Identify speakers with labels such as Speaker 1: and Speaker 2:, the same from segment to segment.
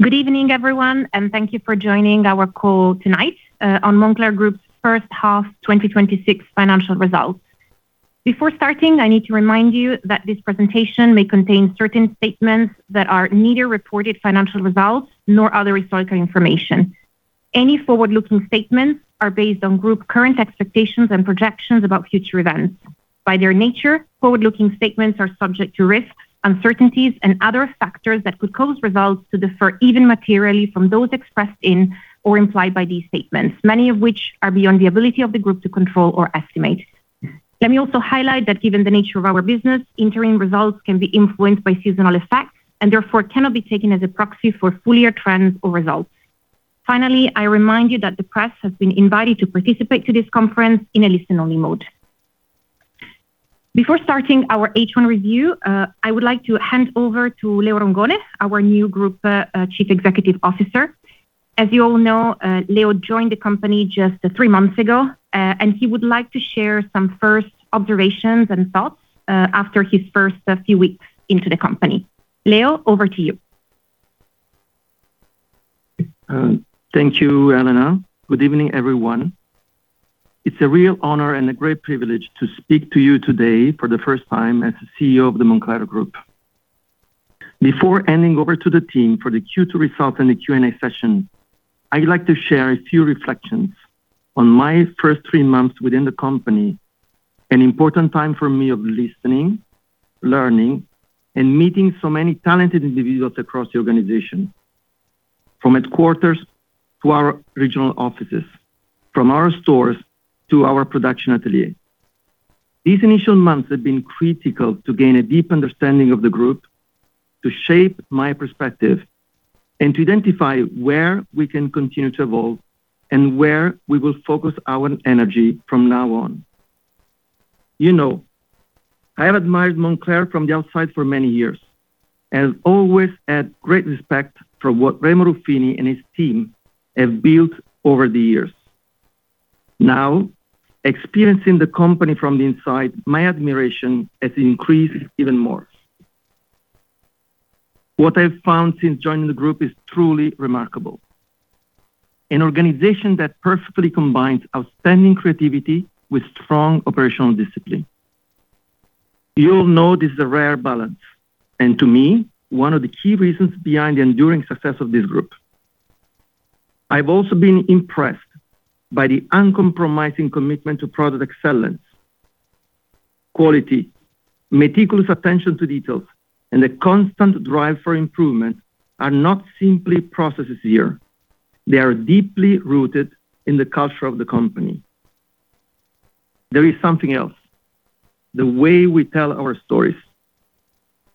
Speaker 1: Good evening, everyone. Thank you for joining our call tonight on Moncler Group's first half 2026 financial results. Before starting, I need to remind you that this presentation may contain certain statements that are neither reported financial results nor other historical information. Any forward-looking statements are based on Group current expectations and projections about future events. By their nature, forward-looking statements are subject to risks, uncertainties, and other factors that could cause results to differ even materially from those expressed in or implied by these statements, many of which are beyond the ability of the Group to control or estimate. Let me also highlight that given the nature of our business, interim results can be influenced by seasonal effects and therefore cannot be taken as a proxy for full-year trends or results. Finally, I remind you that the press has been invited to participate to this conference in a listen-only mode. Before starting our H1 review, I would like to hand over to Leo Rongone, our new Group Chief Executive Officer. As you all know, Leo joined the company just three months ago, and he would like to share some first observations and thoughts after his first few weeks into the company. Leo, over to you.
Speaker 2: Thank you, Elena. Good evening, everyone. It's a real honor and a great privilege to speak to you today for the first time as the CEO of the Moncler Group. Before handing over to the team for the Q2 results and the Q&A session, I'd like to share a few reflections on my first three months within the company, an important time for me of listening, learning, and meeting so many talented individuals across the organization, from headquarters to our regional offices, from our stores to our production atelier. These initial months have been critical to gain a deep understanding of the Group, to shape my perspective, and to identify where we can continue to evolve and where we will focus our energy from now on. You know, I have admired Moncler from the outside for many years and have always had great respect for what Remo Ruffini and his team have built over the years. Now, experiencing the company from the inside, my admiration has increased even more. What I've found since joining the Group is truly remarkable. An organization that perfectly combines outstanding creativity with strong operational discipline. You all know this is a rare balance, and to me, one of the key reasons behind the enduring success of this Group. I've also been impressed by the uncompromising commitment to product excellence. Quality, meticulous attention to details, and the constant drive for improvement are not simply processes here. They are deeply rooted in the culture of the company. There is something else, the way we tell our stories.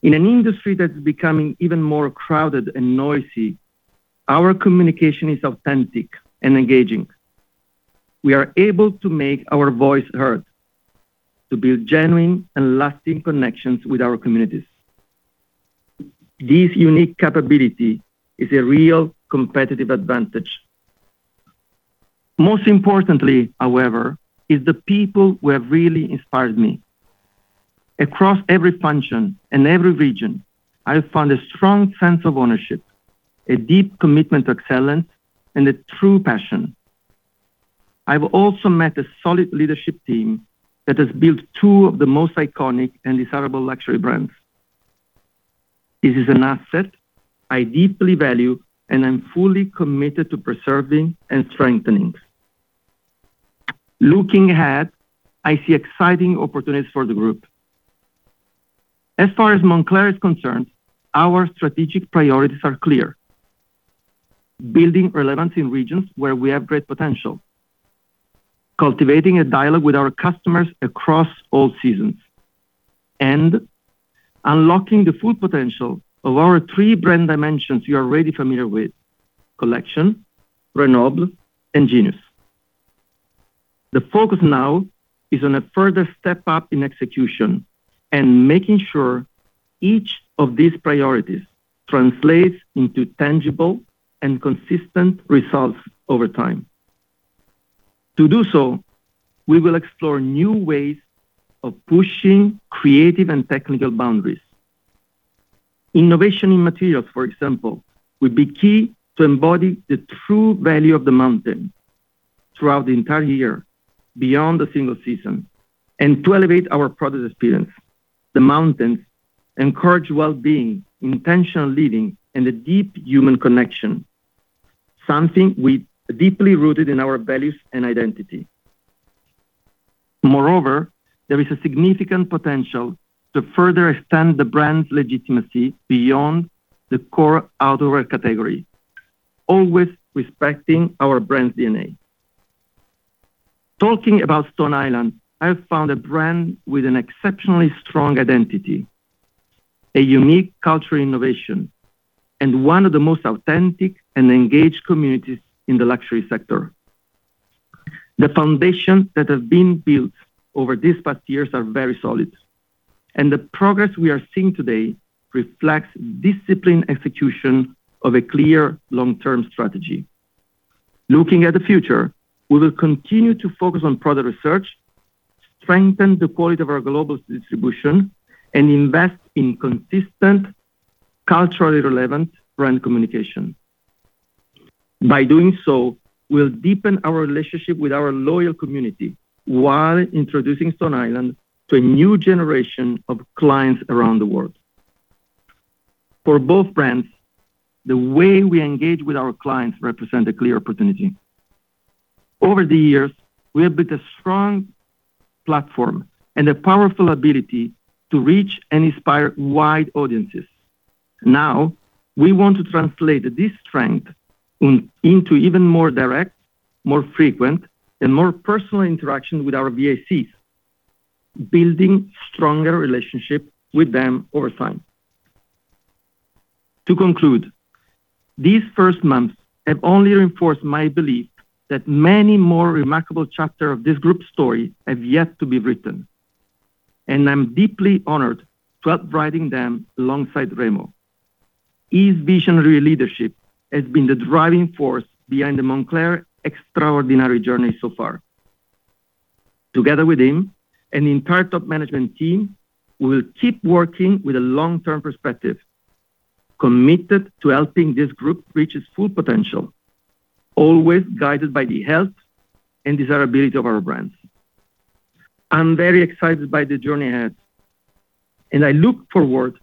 Speaker 2: In an industry that's becoming even more crowded and noisy, our communication is authentic and engaging. We are able to make our voice heard, to build genuine and lasting connections with our communities. This unique capability is a real competitive advantage. Most importantly, however, is the people who have really inspired me. Across every function and every region, I have found a strong sense of ownership, a deep commitment to excellence, and a true passion. I've also met a solid leadership team that has built two of the most iconic and desirable luxury brands. This is an asset I deeply value and am fully committed to preserving and strengthening. Looking ahead, I see exciting opportunities for the group. As far as Moncler is concerned, our strategic priorities are clear. Building relevance in regions where we have great potential, cultivating a dialogue with our customers across all seasons, and unlocking the full potential of our three brand dimensions you are already familiar with, Collection, Grenoble, and Genius. The focus now is on a further step-up in execution and making sure each of these priorities translates into tangible and consistent results over time. To do so, we will explore new ways of pushing creative and technical boundaries. Innovation in materials, for example, will be key to embodying the true value of the Mountain throughout the entire year, beyond the single season, and to elevate our product experience. The Mountains encourage well-being, intentional living, and a deep human connection, something we deeply rooted in our values and identity. Moreover, there is a significant potential to further extend the brand's legitimacy beyond the core outerwear category, always respecting our brand's DNA. Talking about Stone Island, I have found a brand with an exceptionally strong identity, a unique culture innovation, and one of the most authentic and engaged communities in the luxury sector. The foundations that have been built over these past years are very solid. The progress we are seeing today reflects disciplined execution of a clear long-term strategy. Looking at the future, we will continue to focus on product research, strengthen the quality of our global distribution, and invest in consistent, culturally relevant brand communication. By doing so, we'll deepen our relationship with our loyal community while introducing Stone Island to a new generation of clients around the world. For both brands, the way we engage with our clients represent a clear opportunity. Over the years, we have built a strong platform and a powerful ability to reach and inspire wide audiences. Now, we want to translate this strength into even more direct, more frequent, and more personal interaction with our VICs, building stronger relationship with them over time. To conclude, these first months have only reinforced my belief that many more remarkable chapter of this group story have yet to be written. I'm deeply honored to help writing them alongside Remo. His visionary leadership has been the driving force behind the Moncler extraordinary journey so far. Together with him and the entire top management team, we will keep working with a long-term perspective, committed to helping this group reach its full potential, always guided by the health and desirability of our brands. I'm very excited by the journey ahead. I look forward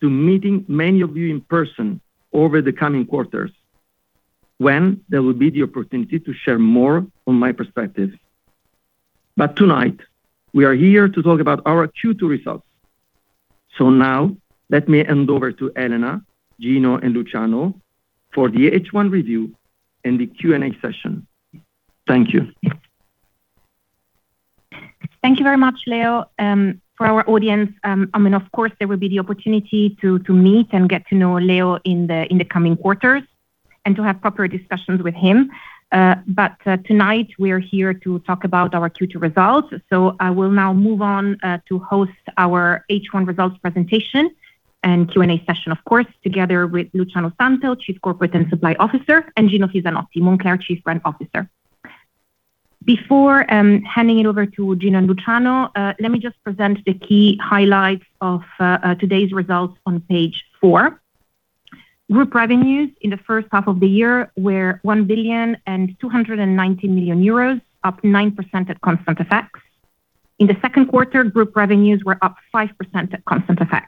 Speaker 2: to meeting many of you in person over the coming quarters, when there will be the opportunity to share more on my perspective. Tonight, we are here to talk about our Q2 results. Now, let me hand over to Elena, Gino, and Luciano for the H1 review and the Q&A session. Thank you.
Speaker 1: Thank you very much, Leo. For our audience, of course, there will be the opportunity to meet and get to know Leo in the coming quarters, and to have proper discussions with him. Tonight, we are here to talk about our Q2 results. I will now move on to host our H1 results presentation and Q&A session, of course, together with Luciano Santel, Chief Corporate and Supply Officer, and Gino Fisanotti, Moncler Chief Brand Officer. Before handing it over to Gino and Luciano, let me just present the key highlights of today's results on Page four. Group revenues in the first half of the year were 1.29 billion, up 9% at constant FX. In the second quarter, group revenues were up 5% at constant FX.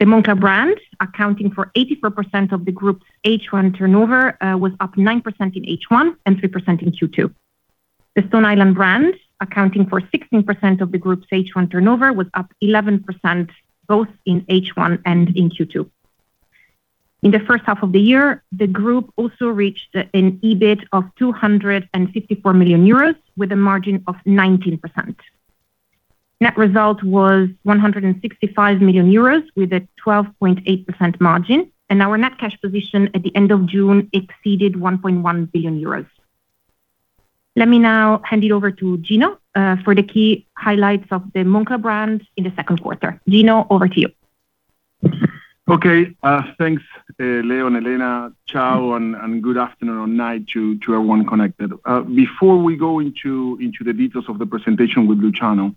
Speaker 1: The Moncler brand, accounting for 84% of the group's H1 turnover, was up 9% in H1 and 3% in Q2. The Stone Island brand, accounting for 16% of the group's H1 turnover, was up 11%, both in H1 and in Q2. In the first half of the year, the group also reached an EBIT of 254 million euros with a margin of 19%. Net result was 165 million euros with a 12.8% margin. Our net cash position at the end of June exceeded 1.1 billion euros. Let me now hand it over to Gino for the key highlights of the Moncler brand in the second quarter. Gino, over to you.
Speaker 3: Okay. Thanks, Leo and Elena. Luciano, good afternoon or night to everyone connected. Before we go into the details of the presentation with Luciano,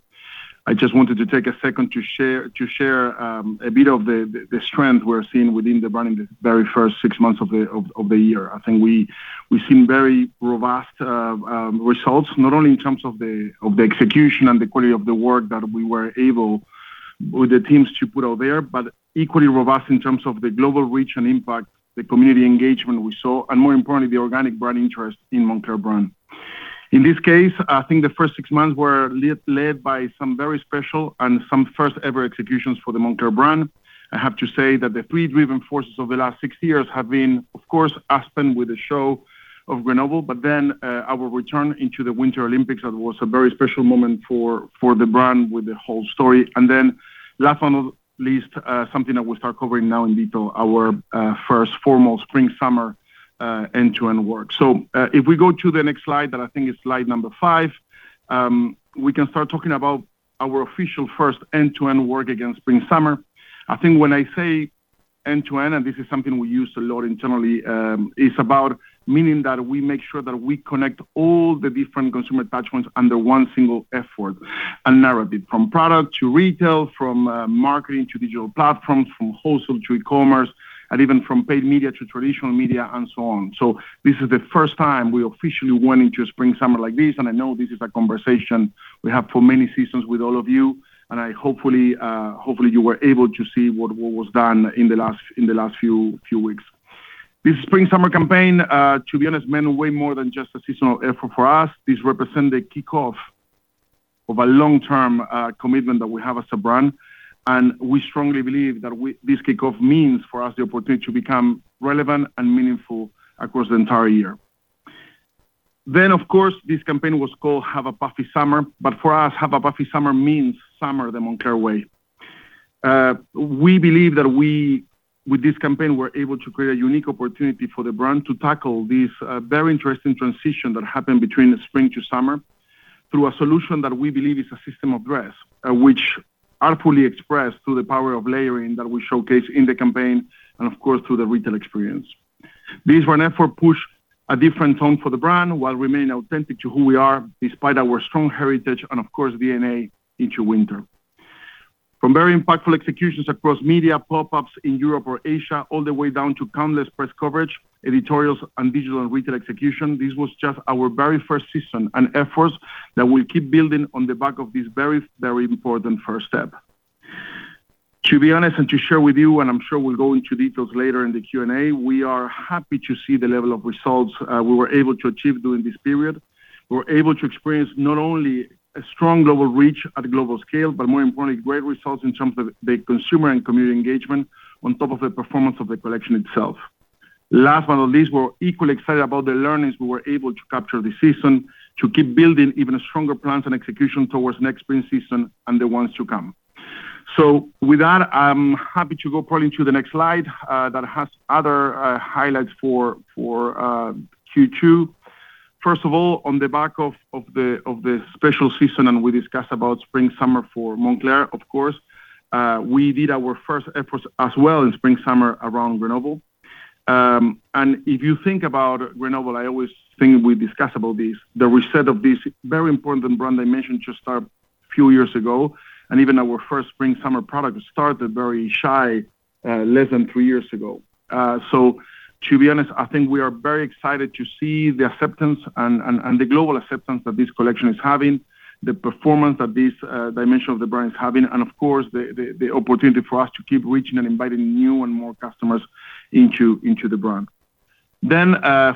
Speaker 3: I just wanted to take a second to share a bit of the strength we're seeing within the brand in the very first six months of the year. I think we've seen very robust results, not only in terms of the execution and the quality of the work that we were able, with the teams, to put out there, but equally robust in terms of the global reach and impact, the community engagement we saw, and more importantly, the organic brand interest in Moncler brand. In this case, I think the first six months were led by some very special and some first-ever executions for the Moncler brand. I have to say that the three driven forces over the last six years have been, of course, Aspen with the show of Moncler Grenoble. Our return into the Winter Olympics, that was a very special moment for the brand with the whole story. Last but not least, something that we'll start covering now in detail, our first formal Spring/Summer end-to-end work. If we go to the next slide, that I think is Slide number five, we can start talking about our official first end-to-end work against Spring/Summer. I think when I say end-to-end, and this is something we use a lot internally, it's about meaning that we make sure that we connect all the different consumer touch points under one single effort and narrative, from product to retail, from marketing to digital platforms, from wholesale to e-commerce, and even from paid media to traditional media, and so on. This is the first time we officially went into a Spring/Summer like this, and I know this is a conversation we have for many seasons with all of you, and hopefully you were able to see what was done in the last few weeks. This Spring/Summer campaign, to be honest, meant way more than just a seasonal effort for us. This represent the kickoff of a long-term commitment that we have as a brand, and we strongly believe that this kickoff means for us the opportunity to become relevant and meaningful across the entire year. Of course, this campaign was called Have a Puffy Summer. For us, Have a Puffy Summer means summer the Moncler way. We believe that with this campaign, we're able to create a unique opportunity for the brand to tackle this very interesting transition that happened between the spring to summer through a solution that we believe is a system of dress, which artfully expressed through the power of layering that we showcase in the campaign and of course, through the retail experience. This was an effort to push a different tone for the brand while remaining authentic to who we are, despite our strong heritage and of course, DNA into winter. From very impactful executions across media pop-ups in Europe or Asia, all the way down to countless press coverage, editorials, and digital and retail execution. This was just our very first season, an effort that we'll keep building on the back of this very important first step. To be honest and to share with you, and I'm sure we'll go into details later in the Q&A, we are happy to see the level of results we were able to achieve during this period. We were able to experience not only a strong global reach at a global scale, but more importantly, great results in terms of the consumer and community engagement on top of the performance of the collection itself. Last but not least, we're equally excited about the learnings we were able to capture this season to keep building even stronger plans and execution towards next spring season and the ones to come. With that, I'm happy to go probably to the next slide that has other highlights for Q2. First of all, on the back of the special season, we discussed about Spring/Summer for Moncler. Of course, we did our first efforts as well in Spring/Summer around Grenoble. If you think about Grenoble, I always think we discuss about this, the reset of this very important brand I mentioned just a few years ago, and even our first Spring/Summer product started very shy, less than three years ago. To be honest, I think we are very excited to see the acceptance and the global acceptance that this collection is having, the performance that this dimension of the brand is having, and of course, the opportunity for us to keep reaching and inviting new and more customers into the brand.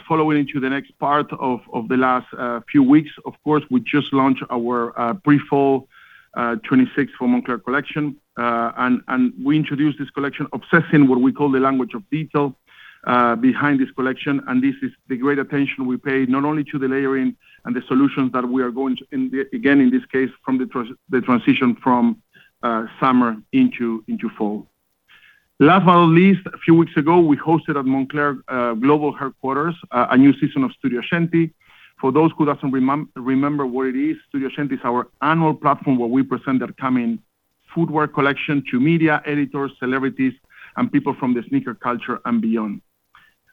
Speaker 3: Following to the next part of the last few weeks, of course, we just launched our pre-fall 2026 for Moncler Collection. We introduced this collection, obsessing what we call the language of detail behind this collection. This is the great attention we pay not only to the layering and the solutions that we are going to, again, in this case, from the transition from summer into fall. Last but not least, a few weeks ago, we hosted at Moncler global headquarters, a new season of Studio Ascenti. For those who doesn't remember what it is, StudioAscenti is our annual platform where we present our coming footwear collection to media editors, celebrities, and people from the sneaker culture and beyond.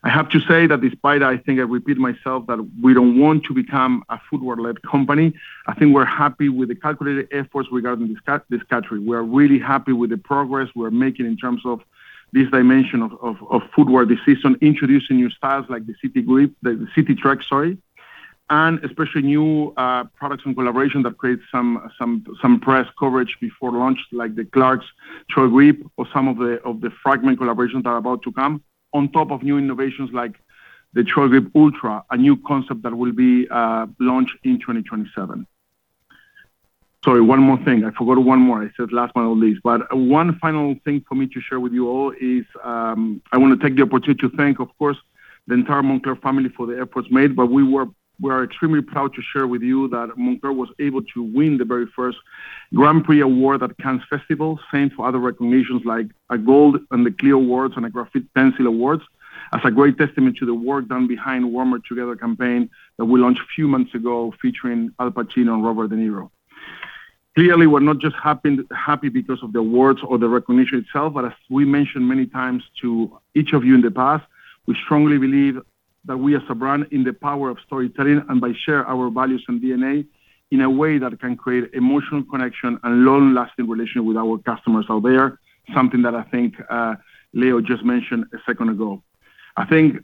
Speaker 3: I have to say that despite, I think I repeat myself, that we don't want to become a footwear-led company. I think we're happy with the calculated efforts regarding this category. We are really happy with the progress we're making in terms of this dimension of footwear this season, introducing new styles like the City Trek, sorry. Especially new products and collaboration that create some press coverage before launch, like the Clarks Trailgrip or some of the Fragment collaborations that are about to come. On top of new innovations like the Trailgrip Ultra, a new concept that will be launched in 2027. Sorry, one more thing. I forgot one more. I said last but not least. One final thing for me to share with you all is, I want to take the opportunity to thank, of course, the entire Moncler family for the efforts made. We are extremely proud to share with you that Moncler was able to win the very first Grand Prix Award at Cannes Festival. Same for other recognitions like a Gold in the Clio Awards and a Graphite Pencil Award as a great testament to the work done behind Warmer Together Campaign that we launched a few months ago featuring Al Pacino and Robert De Niro. Clearly, we're not just happy because of the awards or the recognition itself, but as we mentioned many times to each of you in the past, we strongly believe that we as a brand in the power of storytelling and by share our values and DNA in a way that can create emotional connection and long-lasting relationship with our customers out there, something that I think Leo just mentioned a second ago. I think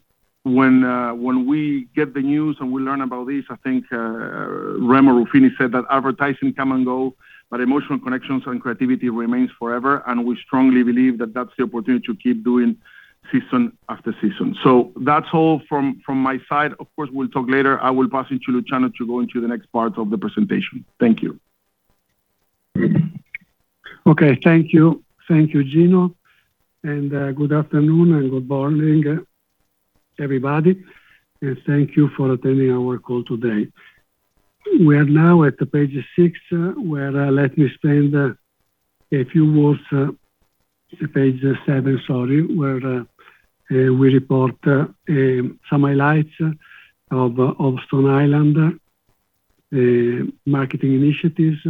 Speaker 3: when we get the news and we learn about this, I think Remo Ruffini said that advertising come and go, but emotional connections and creativity remains forever, and we strongly believe that that's the opportunity to keep doing season after season. So that's all from my side. Of course, we'll talk later. I will pass you to Luciano to go into the next part of the presentation. Thank you.
Speaker 4: Okay. Thank you. Thank you, Gino. Good afternoon and good morning, everybody, and thank you for attending our call today. We are now at the Page six, where let me spend a few words, Page seven, sorry, where we report some highlights of Stone Island marketing initiatives.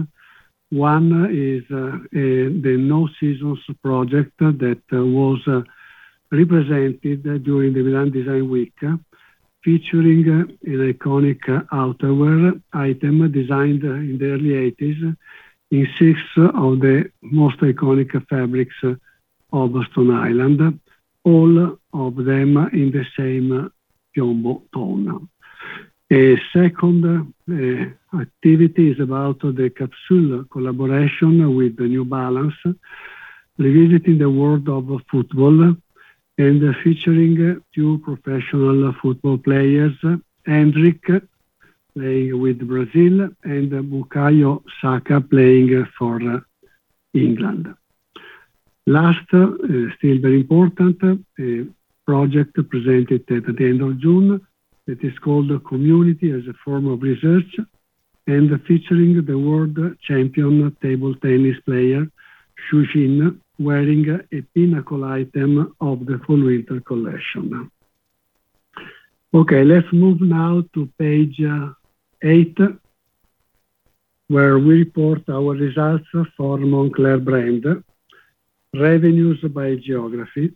Speaker 4: One is the NO SEASONS project that was represented during the Milan Design Week, featuring an iconic outerwear item designed in the early 1980s in six of the most iconic fabrics of Stone Island, all of them in the same piombo tone. A second activity is about the capsule collaboration with New Balance, revisiting the world of football and featuring two professional football players, Endrick playing with Brazil and Bukayo Saka playing for England. Last, still very important, a project presented at the end of June that is called Community as a Form of Research, featuring the world champion table tennis player Xu Xin wearing a pinnacle item of the fall-winter collection. Okay, let's move now to Page eight, where we report our results for Moncler brand. Revenues by geography.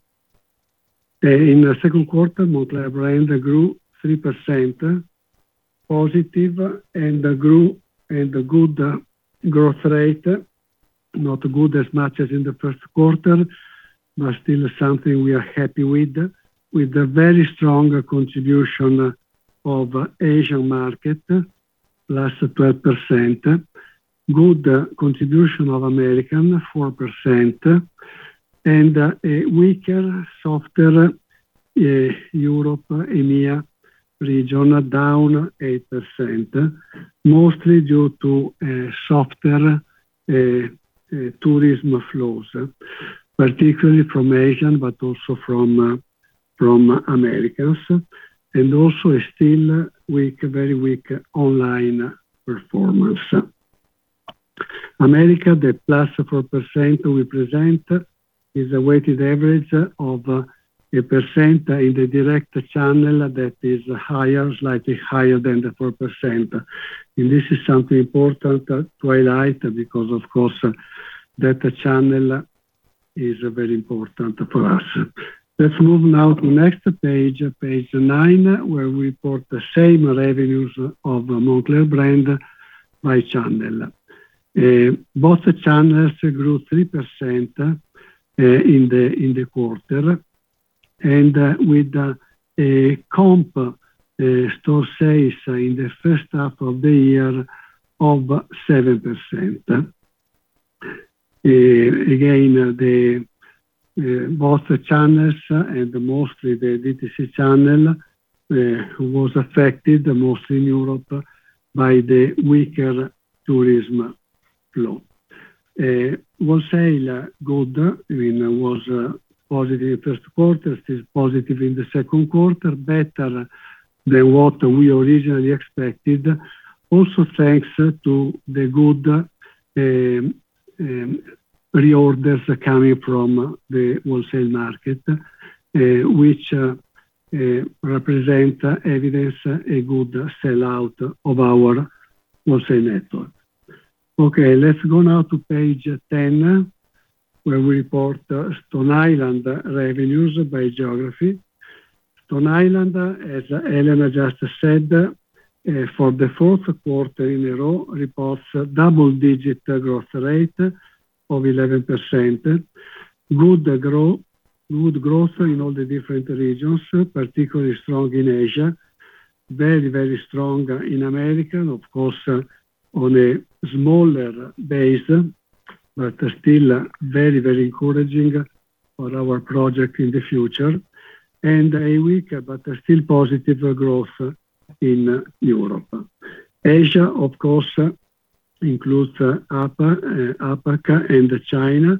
Speaker 4: In the second quarter, Moncler brand grew 3% positive. A good growth rate, not good as much as in the first quarter, but still something we are happy with. With a very strong contribution of Asian market, +12%. Good contribution of Americas, 4%. A weaker, softer Europe, EMEA region, down 8%, mostly due to softer tourism flows, particularly from Asian, but also from Americas, also a still weak, very weak online performance. Americas, the +4% we present is a weighted average of a percent in the direct channel that is slightly higher than the 4%. This is something important to highlight because, of course, that channel is very important for us. Let's move now to next page, Page nine, where we report the same revenues of Moncler brand by channel. Both channels grew 3% in the quarter with a comp store sales in the first half of the year of 7%. Again, both channels, mostly the DTC channel, was affected the most in Europe by the weaker tourism flow. Wholesale, good. I mean, it was positive first quarter, still positive in the second quarter, better than what we originally expected. Thanks to the good pre-orders coming from the wholesale market, which represent evidence, a good sell-out of our wholesale network. Okay, let's go now to Page 10, where we report Stone Island revenues by geography. Stone Island, as Elena just said, for the fourth quarter in a row, reports double-digit growth rate of 11%. Good growth in all the different regions, particularly strong in Asia, very strong in America, of course, on a smaller base, but still very encouraging for our project in the future, and a weaker but still positive growth in Europe. Asia, of course, includes APAC and China,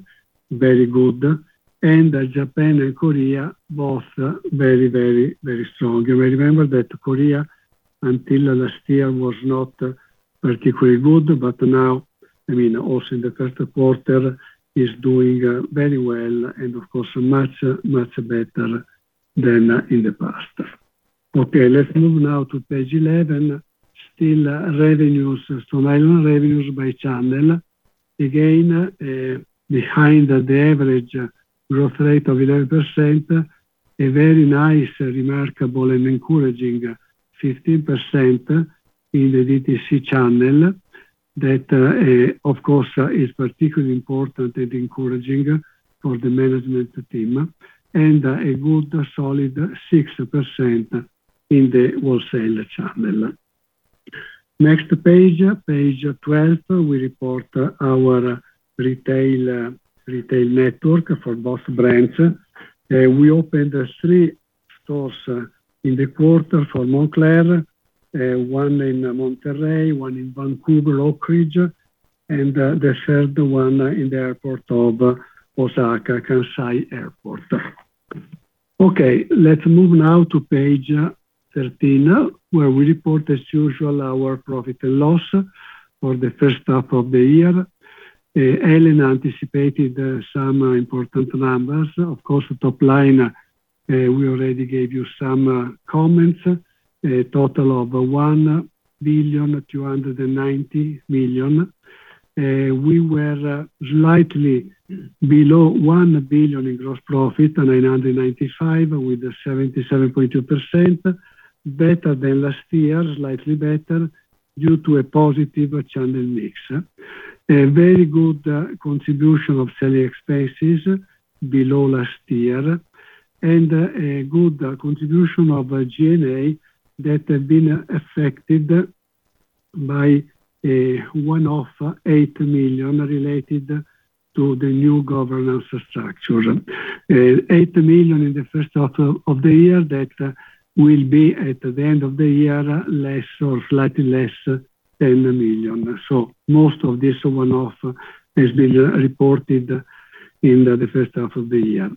Speaker 4: very good, and Japan and Korea, both very strong. You may remember that Korea, until last year, was not particularly good, but now, I mean, also in the first quarter, is doing very well, and of course, much better than in the past. Okay, let's move now to Page 11. Still Stone Island revenues by channel. Again, behind the average growth rate of 11%, a very nice, remarkable, and encouraging 15% in the DTC channel. That, of course, is particularly important and encouraging for the management team, and a good solid 6% in the wholesale channel. Next Page 12, we report our retail network for both brands. We opened three stores in the quarter for Moncler, one in Monterrey, one in Vancouver, Oakridge, and the third one in the airport of Osaka Kansai Airport. Okay, let's move now to Page 13, where we report, as usual, our profit and loss for the first half of the year. Elena anticipated some important numbers. Of course, top line, we already gave you some comments, a total of 1.29 billion. We were slightly below 1 billion in gross profit, 995 with a 77.2%, better than last year, slightly better due to a positive channel mix. A very good contribution of selling expenses below last year, and a good contribution of G&A that have been affected by a one-off 8 million related to the new governance structure. 8 million in the first half of the year, that will be at the end of the year, less or slightly less than 10 million. Most of this one-off has been reported in the first half of the year.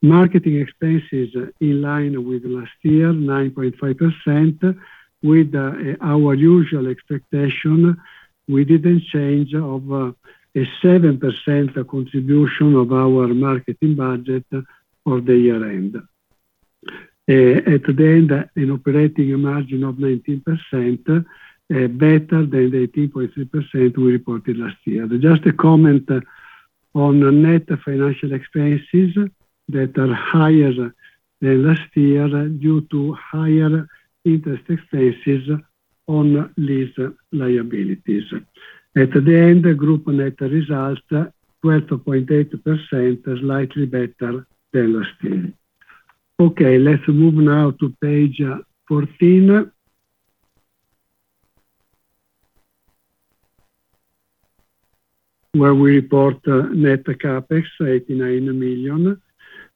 Speaker 4: Marketing expenses in line with last year, 9.5% with our usual expectation we didn't change of a 7% contribution of our marketing budget for the year-end. At the end, an operating margin of 19%, better than the 18.3% we reported last year. Just a comment on the net financial expenses that are higher than last year due to higher interest expenses on lease liabilities. At the end, group net result, 12.8%, slightly better than last year. Okay. Let's move now to Page 14, where we report net CapEx, 89 million,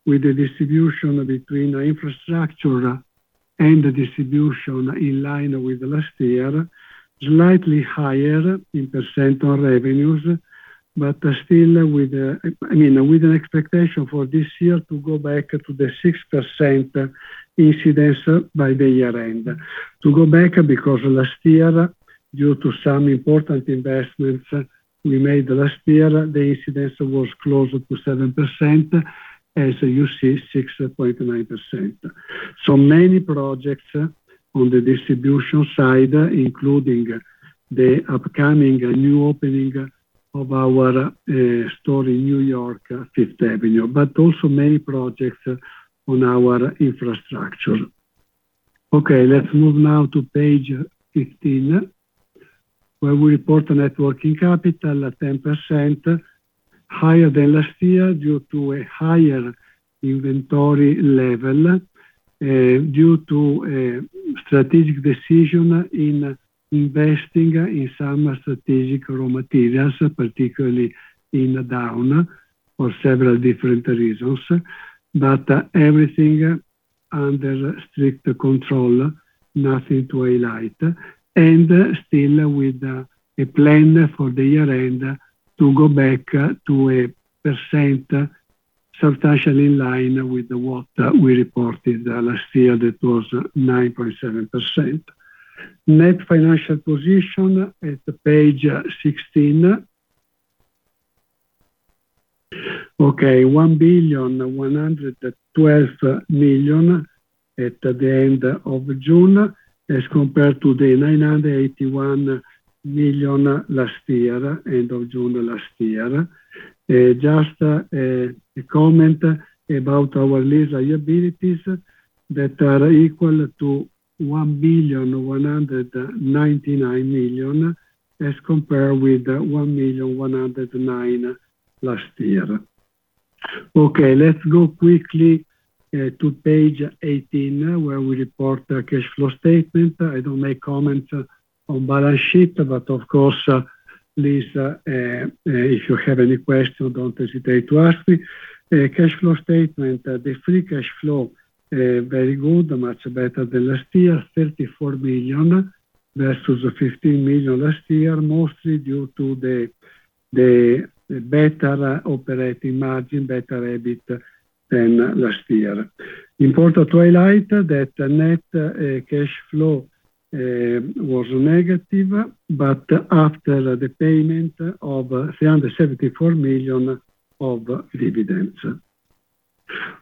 Speaker 4: with the distribution between infrastructure and distribution in line with last year, slightly higher in percent on revenues, but still with an expectation for this year to go back to the 6% incidence by the year-end. To go back because last year, due to some important investments we made last year, the incidence was closer to 7%, as you see, 6.9%. Many projects on the distribution side, including the upcoming new opening of our store in New York, Fifth Avenue, but also many projects on our infrastructure. Okay, let's move now to Page 15, where we report a net working capital at 10%, higher than last year due to a higher inventory level, due to a strategic decision in investing in some strategic raw materials, particularly in down, for several different reasons. Everything under strict control, nothing to highlight. Still with a plan for the year-end to go back to a percent substantially in line with what we reported last year. That was 9.7%. Net financial position at Page 16. Okay, 1,112 million at the end of June as compared to the 981 million last year, end of June last year. Just a comment about our lease liabilities that are equal to 1,199 million as compared with 1,109 million last year. Okay. Let's go quickly to Page 18 where we report our cash flow statement. I don't make comments on balance sheet, but of course, please, if you have any questions, don't hesitate to ask me. Cash flow statement, the free cash flow, very good, much better than last year, 34 million versus 15 million last year, mostly due to the better operating margin, better EBIT than last year. Important to highlight that net cash flow was negative, but after the payment of 374 million of dividends.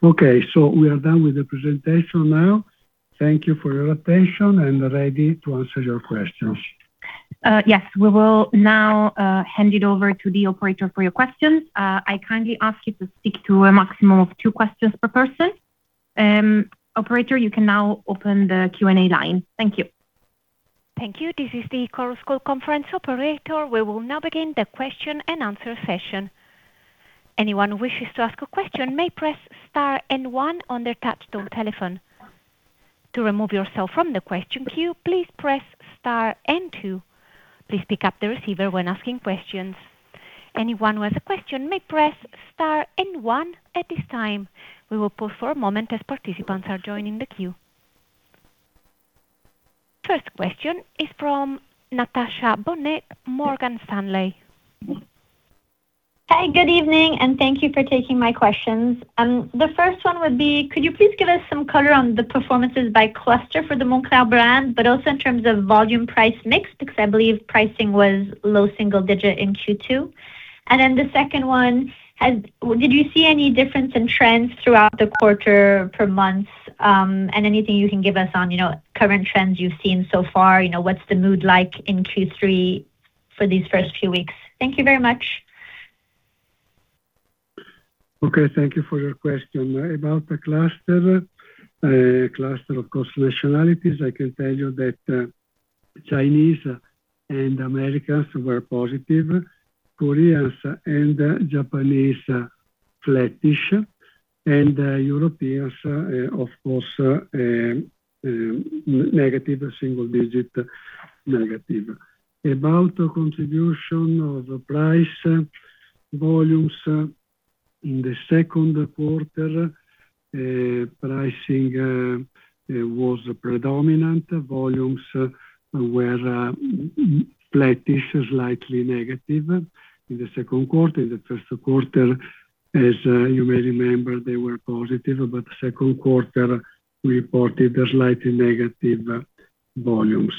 Speaker 4: Okay, we are done with the presentation now. Thank you for your attention and ready to answer your questions.
Speaker 1: Yes. We will now hand it over to the operator for your questions. I kindly ask you to stick to a maximum of two questions per person. Operator, you can now open the Q&A line. Thank you.
Speaker 5: Thank you. This is the Chorus Call conference operator. We will now begin the question-and-answer session. Anyone who wishes to ask a question may press star and one on their touchtone telephone. To remove yourself from the question queue, please press star and two. Please pick up the receiver when asking questions. Anyone who has a question may press star and one at this time. We will pause for a moment as participants are joining the queue. First question is from Natasha Bonnet, Morgan Stanley.
Speaker 6: Hi, good evening, thank you for taking my questions. The first one would be, could you please give us some color on the performances by cluster for the Moncler brand, also in terms of volume price mix, because I believe pricing was low single-digit in Q2. The second one, did you see any difference in trends throughout the quarter per month? Anything you can give us on current trends you've seen so far, what's the mood like in Q3 for these first few weeks? Thank you very much.
Speaker 4: Okay. Thank you for your question. About the cluster. Cluster of course, nationalities, I can tell you that Chinese and Americans were positive, Koreans and Japanese flattish, Europeans, of course, negative, single-digit negative. About contribution of price volumes in the second quarter, pricing was predominant. Volumes were flattish, slightly negative in the second quarter. In the first quarter, as you may remember, they were positive, second quarter reported a slightly negative volumes.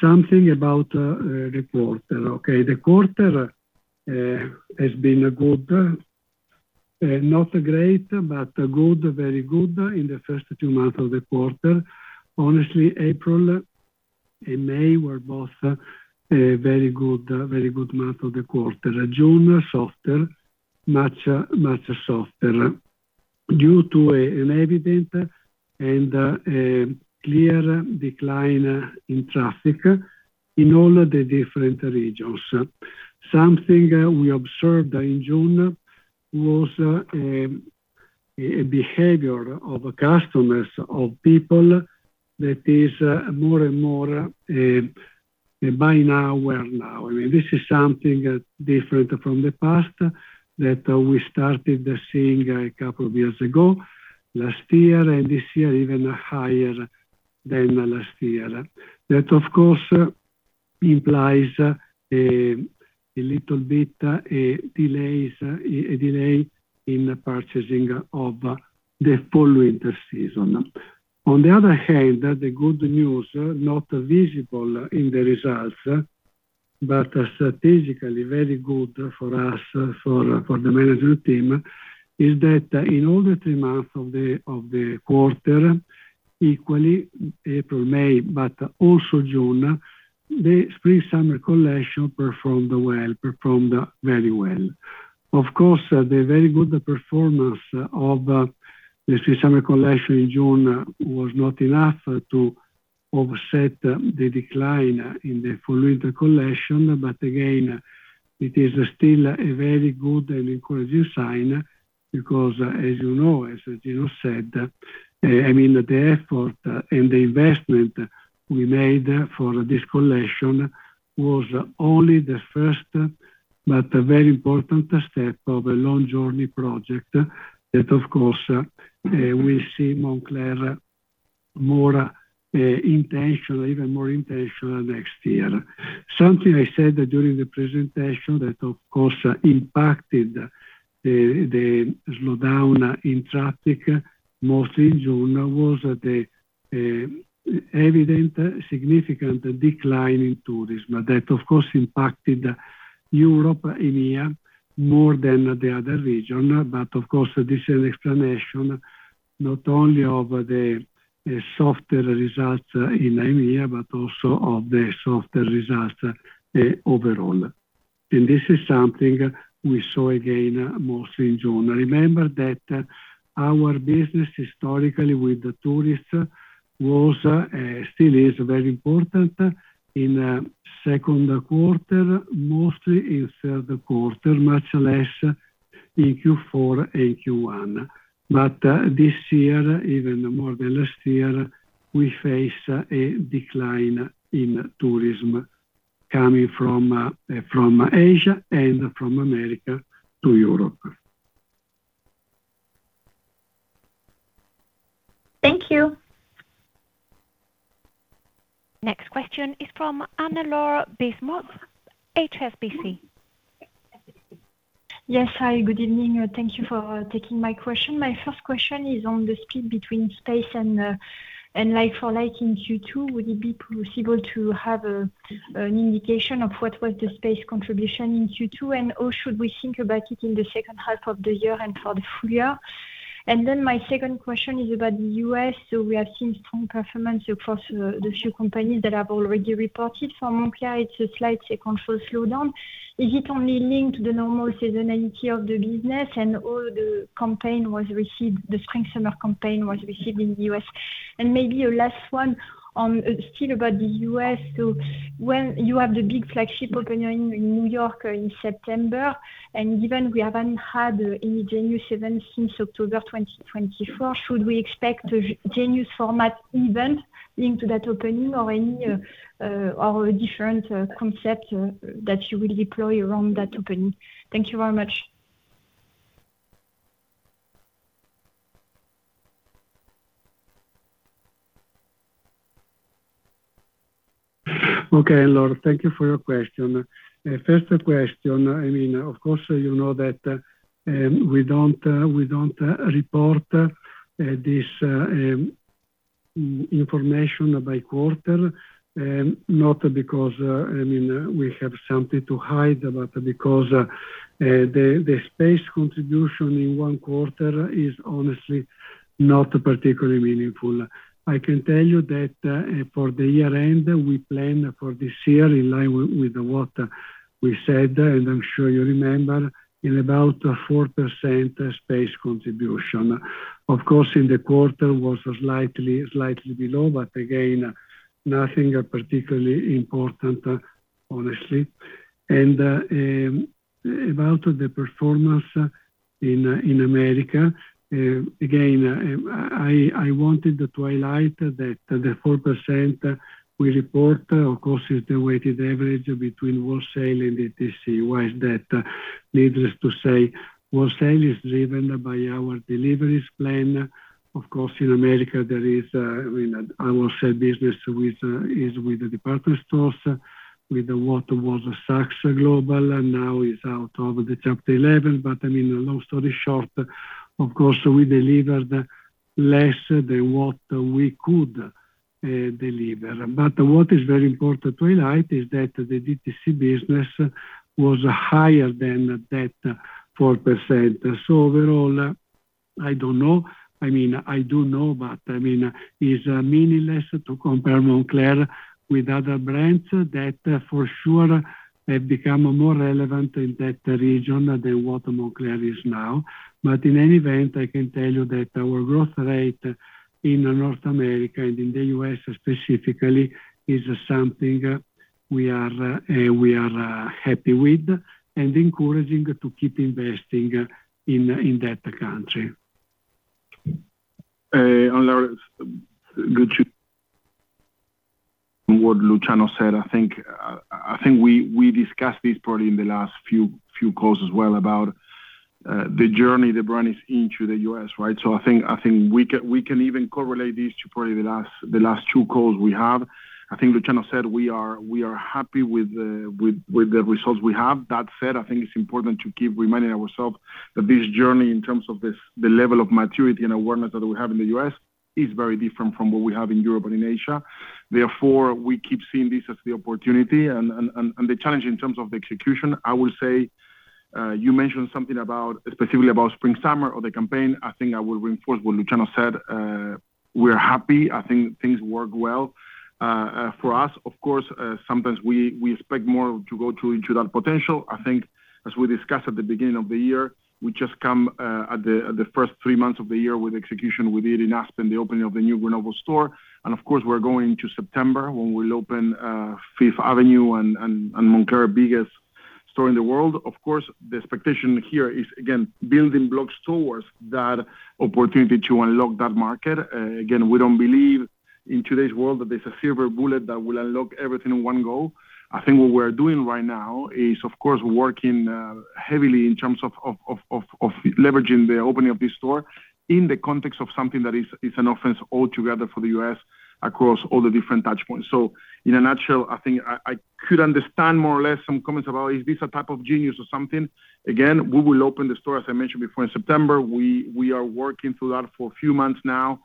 Speaker 4: Something about the quarter. Okay, the quarter has been good, not great, good, very good in the first two months of the quarter. Honestly, April and May were both very good months of the quarter. June, softer, much softer due to an evident and clear decline in traffic in all the different regions. Something we observed in June was a behavior of customers, of people that is more and more a Buy Now, Wear Now. This is something different from the past that we started seeing a couple of years ago, last year, this year, even higher than last year. That, of course, implies a little bit delay in purchasing of the fall-winter season. On the other hand, the good news, not visible in the results, strategically very good for us, for the management team, is that in all the three months of the quarter, equally April, May, also June, the Spring/Summer collection performed very well. Of course, the very good performance of the Spring/Summer collection in June was not enough to offset the decline in the fall-winter collection. Again, it is still a very good and encouraging sign because as you know, as Gino said, the effort and the investment we made for this collection was only the first, very important step of a long journey project that, of course, will see Moncler more intentional, even more intentional next year. Something I said during the presentation that, of course, impacted the slowdown in traffic, mostly in June, was the evident significant decline in tourism that, of course, impacted Europe, EMEA, more than the other region. Of course, this is an explanation not only of the softer results in EMEA, also of the softer results overall. This is something we saw again mostly in June. Remember that our business historically with the tourists still is very important in second quarter, mostly in third quarter, much less in Q4 and Q1. This year, even more than last year, we face a decline in tourism coming from Asia and from America to Europe.
Speaker 6: Thank you.
Speaker 5: Next question is from Anne-Laure Bismuth, HSBC.
Speaker 7: Yes. Hi, good evening. Thank you for taking my question. My first question is on the split between space and like-for-like in Q2. Would it be possible to have an indication of what was the space contribution in Q2? How should we think about it in the second half of the year and for the full-year? My second question is about the U.S. We have seen strong performance across the few companies that have already reported. For Moncler, it's a slight sequential slowdown. Is it only linked to the normal seasonality of the business and all the campaign was received, the Spring/Summer campaign was received in the U.S.? Maybe a last one still about the U.S. When you have the big flagship opening in New York in September, and given we haven't had any Genius event since October 2024, should we expect a Genius format event linked to that opening or any, or a different concept that you will deploy around that opening? Thank you very much.
Speaker 4: Okay, Anne-Laure, thank you for your question. First question, of course you know that we don't report this information by quarter, not because we have something to hide, but because the space contribution in one quarter is honestly not particularly meaningful. I can tell you that for the year-end, we plan for this year in line with what we said, and I'm sure you remember, in about 4% space contribution. Of course, in the quarter was slightly below, but again, nothing particularly important, honestly. About the performance in America, again, I wanted to highlight that the 4% we report, of course, is the weighted average between wholesale and DTC. Why is that? Needless to say, wholesale is driven by our deliveries plan. Of course, in America there is our wholesale business is with the department stores, with what was Saks Global, now is out of the Chapter 11. Long story short, of course, we delivered less than what we could deliver. What is very important to highlight is that the DTC business was higher than that 4%. Overall, I don't know. I do know, but it's meaningless to compare Moncler with other brands that for sure have become more relevant in that region than what Moncler is now. In any event, I can tell you that our growth rate in North America and in the U.S. specifically, is something we are happy with and encouraging to keep investing in that country.
Speaker 3: Anne-Laure, good to what Luciano said. I think we discussed this probably in the last few calls as well about the journey the brand is in to the U.S. I think we can even correlate this to probably the last two calls we have. I think Luciano said we are happy with the results we have. That said, I think it's important to keep reminding ourselves that this journey, in terms of the level of maturity and awareness that we have in the U.S., is very different from what we have in Europe and in Asia. Therefore, we keep seeing this as the opportunity and the challenge in terms of the execution. I will say, you mentioned something specifically about Spring/Summer or the campaign. I think I will reinforce what Luciano said. We're happy. I think things work well. For us, of course, sometimes we expect more to go into that potential. I think as we discussed at the beginning of the year, we just come at the first three months of the year with execution with it in Aspen, the opening of the new Grenoble store. Of course, we're going to September when we'll open Fifth Avenue and Moncler biggest store in the world. Of course, the expectation here is, again, building blocks towards that opportunity to unlock that market. Again, we don't believe in today's world that there's a silver bullet that will unlock everything in one go. I think what we're doing right now is, of course, working heavily in terms of leveraging the opening of this store in the context of something that is an offense altogether for the U.S. across all the different touchpoints. In a nutshell, I think I could understand more or less some comments about is this a type of Genius or something. Again, we will open the store, as I mentioned before, in September. We are working through that for a few months now.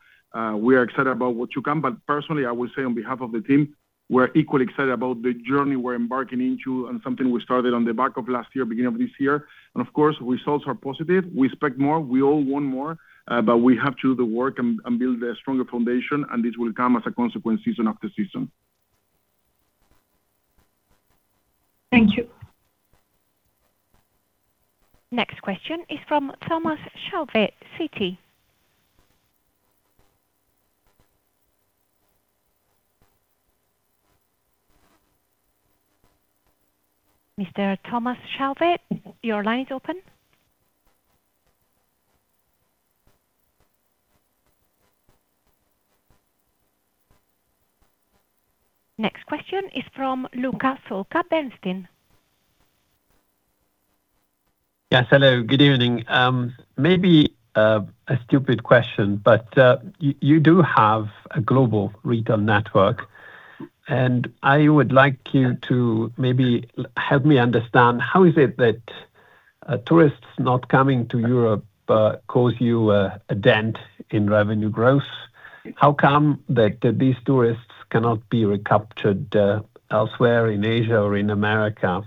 Speaker 3: We are excited about what you come. Personally, I will say on behalf of the team, we're equally excited about the journey we're embarking into and something we started on the back of last year, beginning of this year. Of course, results are positive. We expect more, we all want more, but we have to do the work and build a stronger foundation, and this will come as a consequence season after season.
Speaker 7: Thank you.
Speaker 5: Next question is from Thomas Chauvet, Citi. Mr. Thomas Chauvet, your line is open. Next question is from Luca Solca, Bernstein.
Speaker 8: Yes, hello, good evening. Maybe a stupid question, but you do have a global retail network. I would like you to maybe help me understand how is it that tourists not coming to Europe cause you a dent in revenue growth? How come that these tourists cannot be recaptured elsewhere in Asia or in America?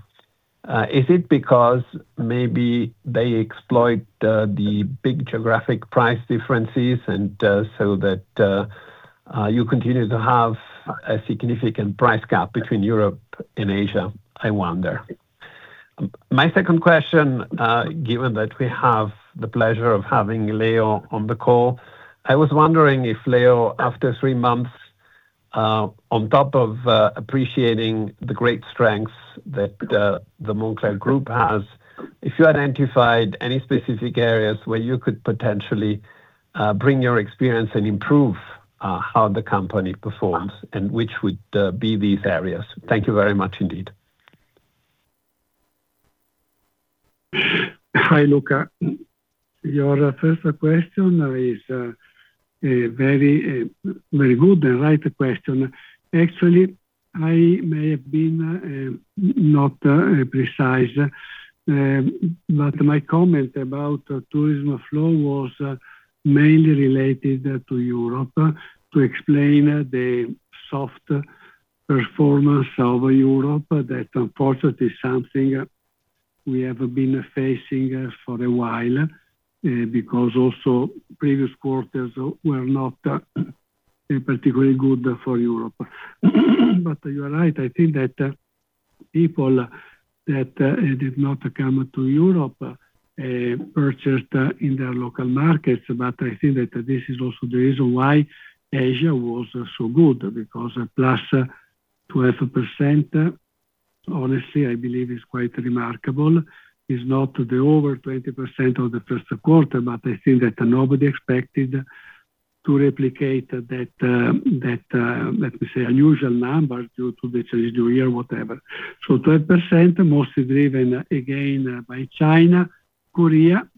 Speaker 8: Is it because maybe they exploit the big geographic price differences so that you continue to have a significant price gap between Europe and Asia, I wonder? My second question, given that we have the pleasure of having Leo on the call, I was wondering if Leo, after three months, on top of appreciating the great strengths that the Moncler Group has, if you identified any specific areas where you could potentially bring your experience and improve how the company performs, and which would be these areas? Thank you very much indeed.
Speaker 4: Hi, Luca. Your first question is a very good and right question. Actually, I may have been not precise, my comment about tourism flow was mainly related to Europe to explain the soft performance of Europe that unfortunately is something we have been facing for a while, because also previous quarters were not particularly good for Europe. You are right, I think that people that did not come to Europe purchased in their local markets. I think that this is also the reason why Asia was so good, because plus 12%, honestly, I believe is quite remarkable. It's not the over 20% of the first quarter, I think that nobody expected to replicate that, let me say, unusual number due to the Chinese New Year, whatever. 12% mostly driven again by China, Korea,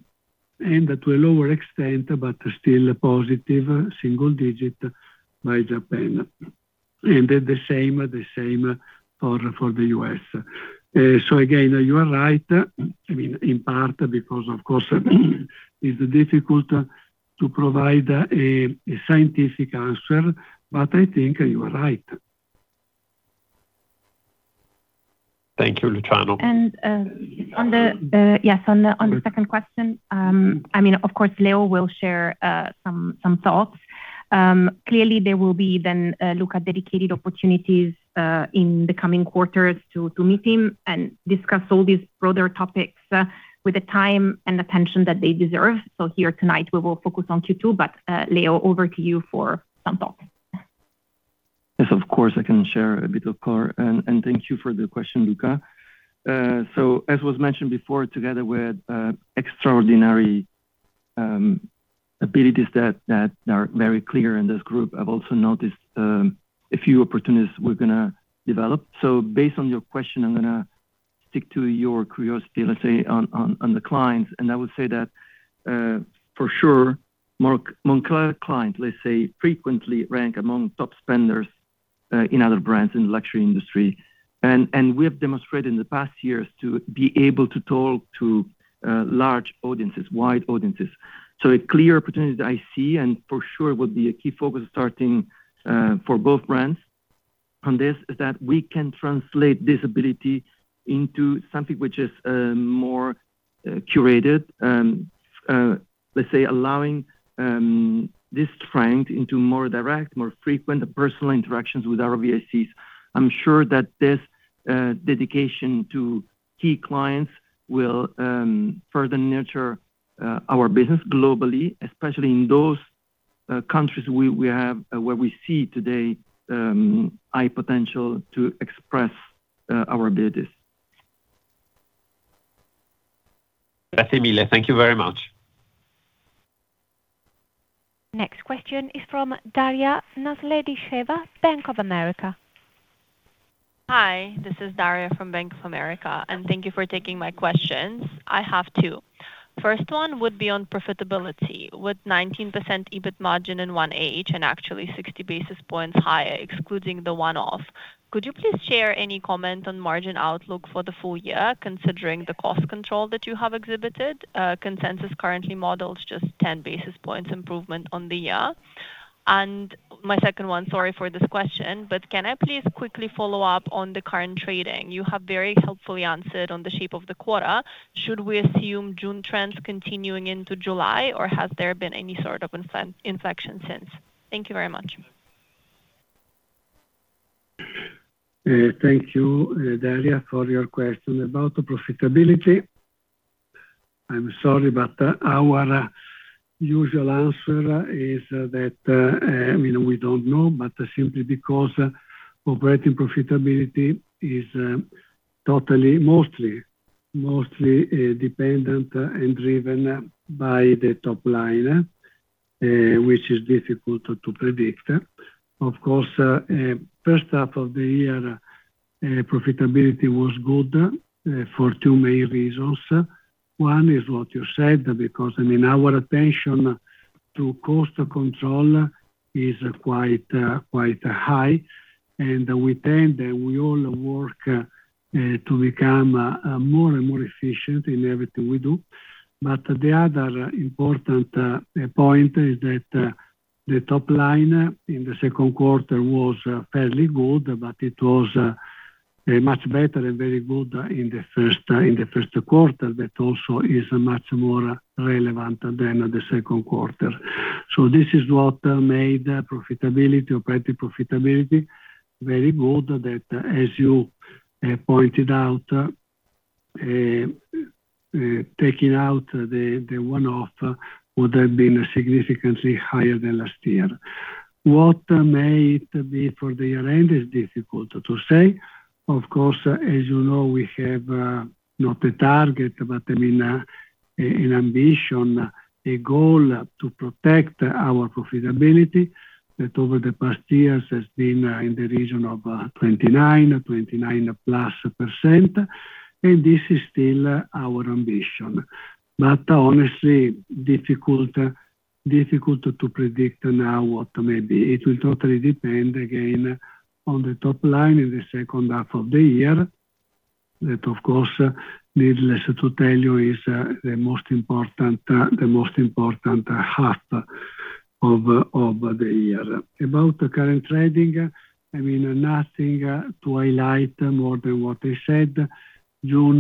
Speaker 4: and to a lower extent, but still a positive single digit by Japan. The same for the U.S. Again, you are right, in part because, of course, it's difficult to provide a scientific answer, I think you are right.
Speaker 8: Thank you, Luciano.
Speaker 1: On the second question, of course, Leo will share some thoughts. There will be dedicated opportunities in the coming quarters to meet him and discuss all these broader topics with the time and attention that they deserve. Here tonight, we will focus on Q2, Leo, over to you for some thoughts.
Speaker 2: Yes, of course, I can share a bit of color, and thank you for the question, Luca. As was mentioned before, together with extraordinary abilities that are very clear in this group, I've also noticed a few opportunities we're going to develop. Based on your question, I'm going to stick to your curiosity, let's say, on the clients. I would say that for sure, Moncler clients, let's say, frequently rank among top spenders in other brands in the luxury industry. We have demonstrated in the past years to be able to talk to large audiences, wide audiences. A clear opportunity that I see, and for sure will be a key focus starting for both brands on this, is that we can translate this ability into something which is more curated. Let's say, allowing this strength into more direct, more frequent personal interactions with our VICs. I'm sure that this dedication to key clients will further nurture our business globally, especially in those countries where we see today high potential to express our abilities.
Speaker 8: Thank you very much.
Speaker 5: Next question is from Daria Nasledysheva, Bank of America.
Speaker 9: Hi, this is Daria from Bank of America. Thank you for taking my questions. I have two. First one would be on profitability. With 19% EBIT margin in 1H and actually 60 basis points higher excluding the one-off, could you please share any comment on margin outlook for the full-year considering the cost control that you have exhibited? Consensus currently models just 10 basis points improvement on the year. My second one, sorry for this question, can I please quickly follow-up on the current trading? You have very helpfully answered on the shape of the quarter. Should we assume June trends continuing into July, or has there been any sort of inflection since? Thank you very much.
Speaker 4: Thank you, Daria, for your question about profitability. I'm sorry, our usual answer is that we don't know, but simply because operating profitability is mostly dependent and driven by the top line, which is difficult to predict. Of course, first half of the year, profitability was good for two main reasons. One is what you said because our attention to cost control is quite high, we all work to become more and more efficient in everything we do. The other important point is that the top line in the second quarter was fairly good, but it was much better and very good in the first quarter, that also is much more relevant than the second quarter. This is what made profitability, operating profitability, very good, that, as you pointed out, taking out the one-off would have been significantly higher than last year. What may it be for the year end is difficult to say. Of course, as you know, we have not a target, but an ambition, a goal to protect our profitability that over the past years has been in the region of 29%, 29%+. This is still our ambition. Honestly, difficult to predict now what may be. It will totally depend, again, on the top line in the second half of the year. That, of course, needless to tell you, is the most important half of the year. About the current trading, nothing to highlight more than what I said. June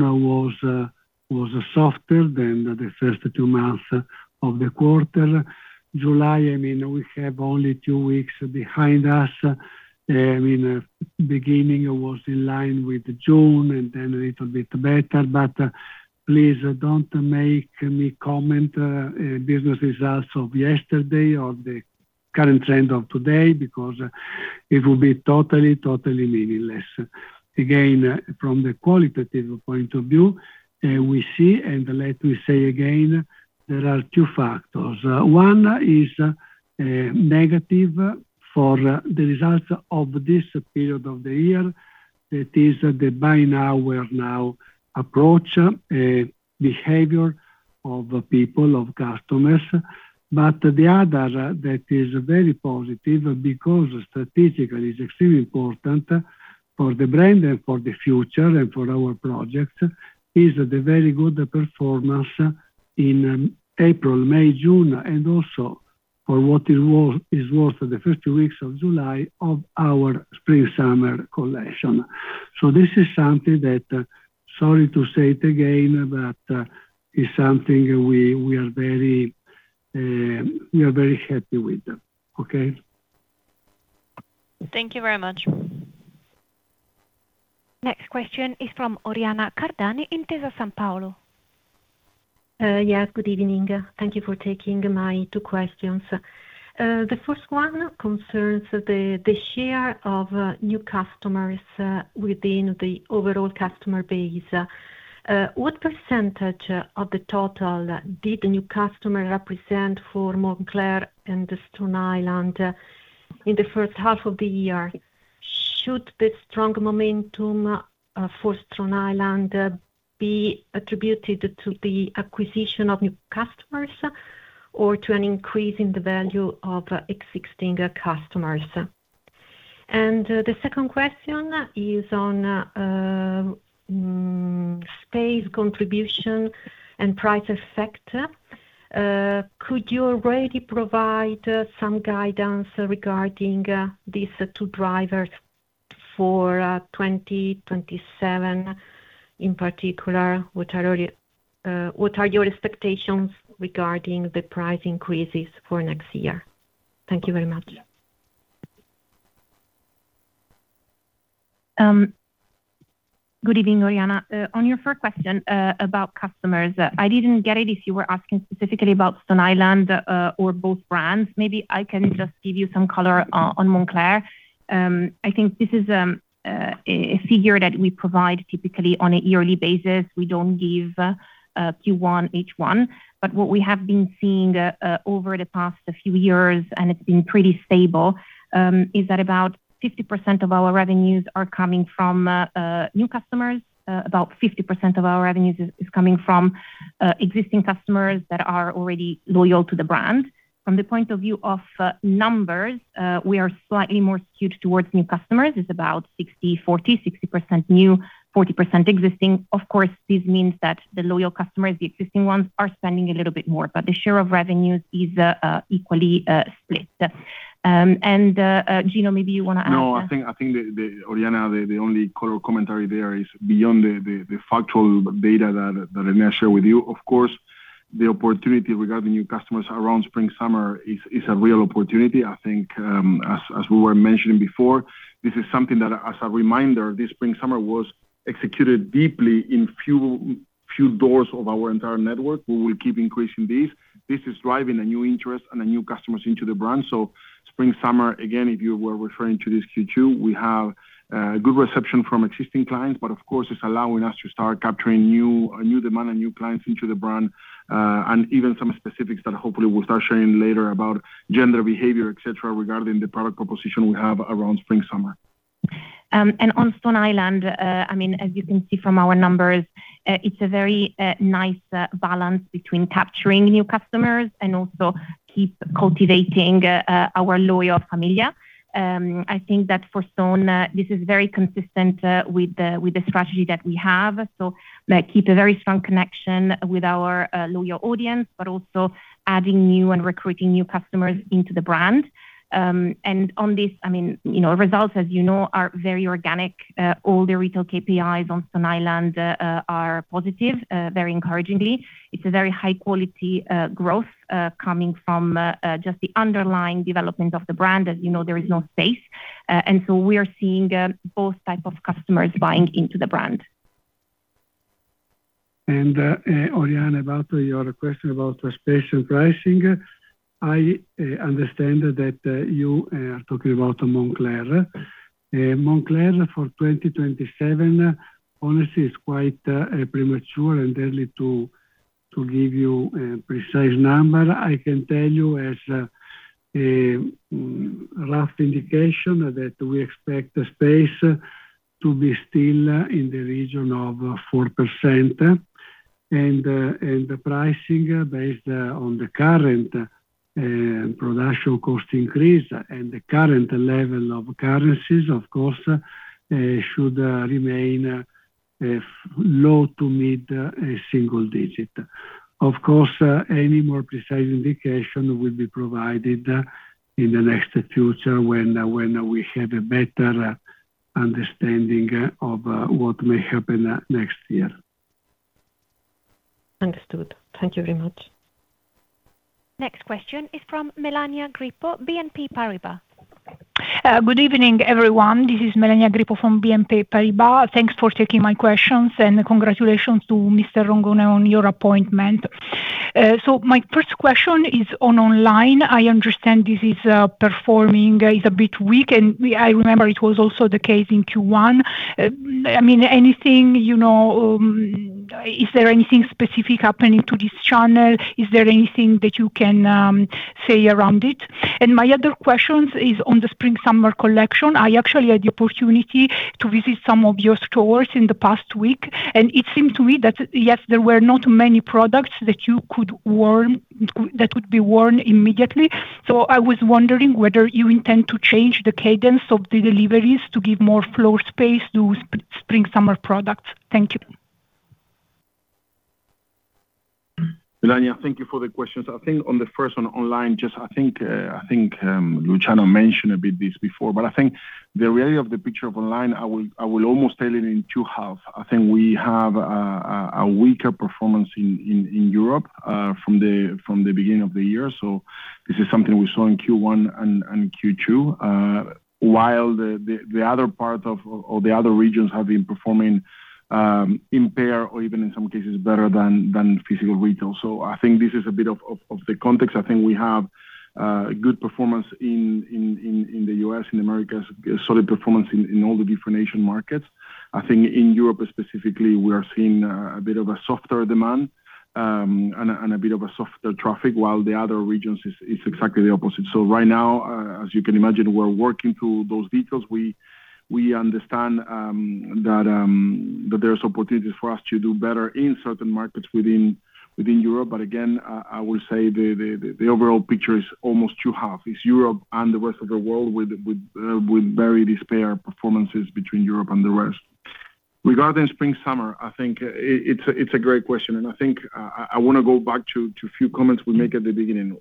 Speaker 4: was softer than the first two months of the quarter. July, we have only two weeks behind us. Beginning was in line with June, then a little bit better. Please don't make me comment business results of yesterday or the current trend of today because it will be totally meaningless. Again, from the qualitative point of view, we see, and let me say again, there are two factors. One is negative for the results of this period of the year. It is the Buy Now, Wear Now approach, a behavior of people, of customers. The other that is very positive because strategically it's extremely important for the brand and for the future and for our project, is the very good performance in April, May, June, and also for what it's worth, the first two weeks of July of our Spring/Summer collection. This is something that, sorry to say it again, but is something we are very happy with. Okay?
Speaker 9: Thank you very much.
Speaker 5: Next question is from Oriana Cardani, Intesa Sanpaolo.
Speaker 10: Yes, good evening. Thank you for taking my two questions. The first one concerns the share of new customers within the overall customer base. What percentage of the total did new customer represent for Moncler and Stone Island in the first half of the year? Should the strong momentum for Stone Island be attributed to the acquisition of new customers or to an increase in the value of existing customers? The second question is on space contribution and price effect. Could you already provide some guidance regarding these two drivers for 2027? In particular, what are your expectations regarding the price increases for next year? Thank you very much.
Speaker 1: Good evening, Oriana. On your first question about customers, I didn't get it if you were asking specifically about Stone Island or both brands. Maybe I can just give you some color on Moncler. I think this is a figure that we provide typically on a yearly basis. We don't give Q1, H1. What we have been seeing over the past few years, and it's been pretty stable, is that about 50% of our revenues are coming from new customers. About 50% of our revenues is coming from existing customers that are already loyal to the brand. From the point of view of numbers, we are slightly more skewed towards new customers. It's about 60/40, 60% new, 40% existing. This means that the loyal customers, the existing ones, are spending a little bit more. The share of revenues is equally split. Gino, maybe you want to add.
Speaker 3: No, I think, Oriana, the only color commentary there is beyond the factual data that Elena shared with you. The opportunity regarding new customers around Spring/Summer is a real opportunity. As we were mentioning before, this is something that, as a reminder, this Spring/Summer was executed deeply in few doors of our entire network. We will keep increasing this. This is driving a new interest and new customers into the brand. Spring/Summer, again, if you were referring to this Q2, we have good reception from existing clients, it's allowing us to start capturing new demand and new clients into the brand. Even some specifics that hopefully we'll start sharing later about gender behavior, et cetera, regarding the product proposition we have around Spring/Summer.
Speaker 1: On Stone Island, as you can see from our numbers, it's a very nice balance between capturing new customers and also keep cultivating our loyal familia. For Stone, this is very consistent with the strategy that we have. Keep a very strong connection with our loyal audience, also adding new and recruiting new customers into the brand. On this, our results, as you know, are very organic. All the retail KPIs on Stone Island are positive, very encouragingly. It's a very high-quality growth, coming from just the underlying development of the brand. As you know, there is no space. We are seeing both type of customers buying into the brand.
Speaker 4: Oriana, about your question about space and pricing, I understand that you are talking about Moncler. Moncler for 2027, honestly, it's quite premature and early to give you a precise number. I can tell you as a rough indication that we expect the space to be still in the region of 4%. The pricing based on the current production cost increase and the current level of currencies, of course, should remain low to mid single-digit. Of course, any more precise indication will be provided in the next future when we have a better understanding of what may happen next year.
Speaker 10: Understood. Thank you very much.
Speaker 5: Next question is from Melania Grippo, BNP Paribas.
Speaker 11: Good evening, everyone. This is Melania Grippo from BNP Paribas. Thanks for taking my questions, and congratulations to Mr. Rongone on your appointment. My first question is on online. I understand this is performing is a bit weak, and I remember it was also the case in Q1. Is there anything specific happening to this channel? Is there anything that you can say around it? My other question is on the Spring/Summer collection. I actually had the opportunity to visit some of your stores in the past week, and it seemed to me that, yes, there were not many products that would be worn immediately. I was wondering whether you intend to change the cadence of the deliveries to give more floor space to Spring/Summer products. Thank you.
Speaker 3: Melania, thank you for the questions. I think on the first one, online, I think Luciano mentioned a bit this before, but I think the reality of the picture of online, I will almost tell it in two halves. I think we have a weaker performance in Europe from the beginning of the year. This is something we saw in Q1 and Q2, while the other parts or the other regions have been performing in pair or even in some cases better than physical retail. I think this is a bit of the context. I think we have good performance in the U.S., in Americas, solid performance in all the different Asian markets. I think in Europe specifically, we are seeing a bit of a softer demand, and a bit of a softer traffic while the other regions it's exactly the opposite. Right now, as you can imagine, we're working through those details. We understand that there are opportunities for us to do better in certain markets within Europe. Again, I will say the overall picture is almost two halves. It's Europe and the rest of the world with very disparate performances between Europe and the rest. Regarding Spring/Summer, I think it's a great question, and I think I want to go back to a few comments we made at the beginning.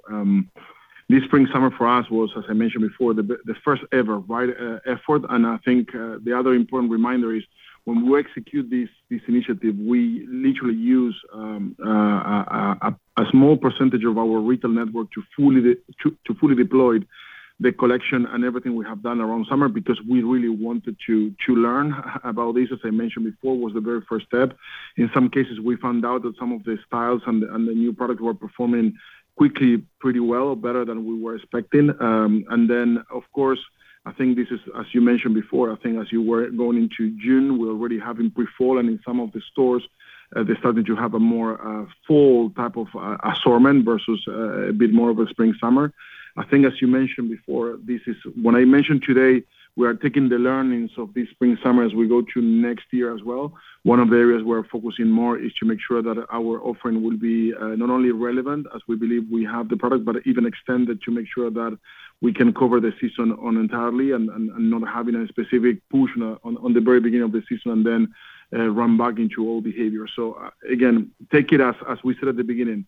Speaker 3: This Spring/Summer for us was, as I mentioned before, the first ever wide effort, and I think, the other important reminder is when we execute this initiative, we literally use a small percentage of our retail network to fully deploy the collection and everything we have done around summer because we really wanted to learn about this, as I mentioned before, was the very first step. In some cases, we found out that some of the styles and the new products were performing quickly pretty well, better than we were expecting. Of course, I think this is, as you mentioned before, I think as you were going into June, we're already having pre-fall in some of the stores. They're starting to have a more fall type of assortment versus a bit more of a Spring/Summer. I think as you mentioned before, when I mentioned today, we are taking the learnings of this Spring/Summer as we go to next year as well. One of the areas we're focusing more is to make sure that our offering will be not only relevant as we believe we have the product, but even extended to make sure that we can cover the season entirely and not having a specific push on the very beginning of the season and then run back into old behavior. Again, take it as we said at the beginning,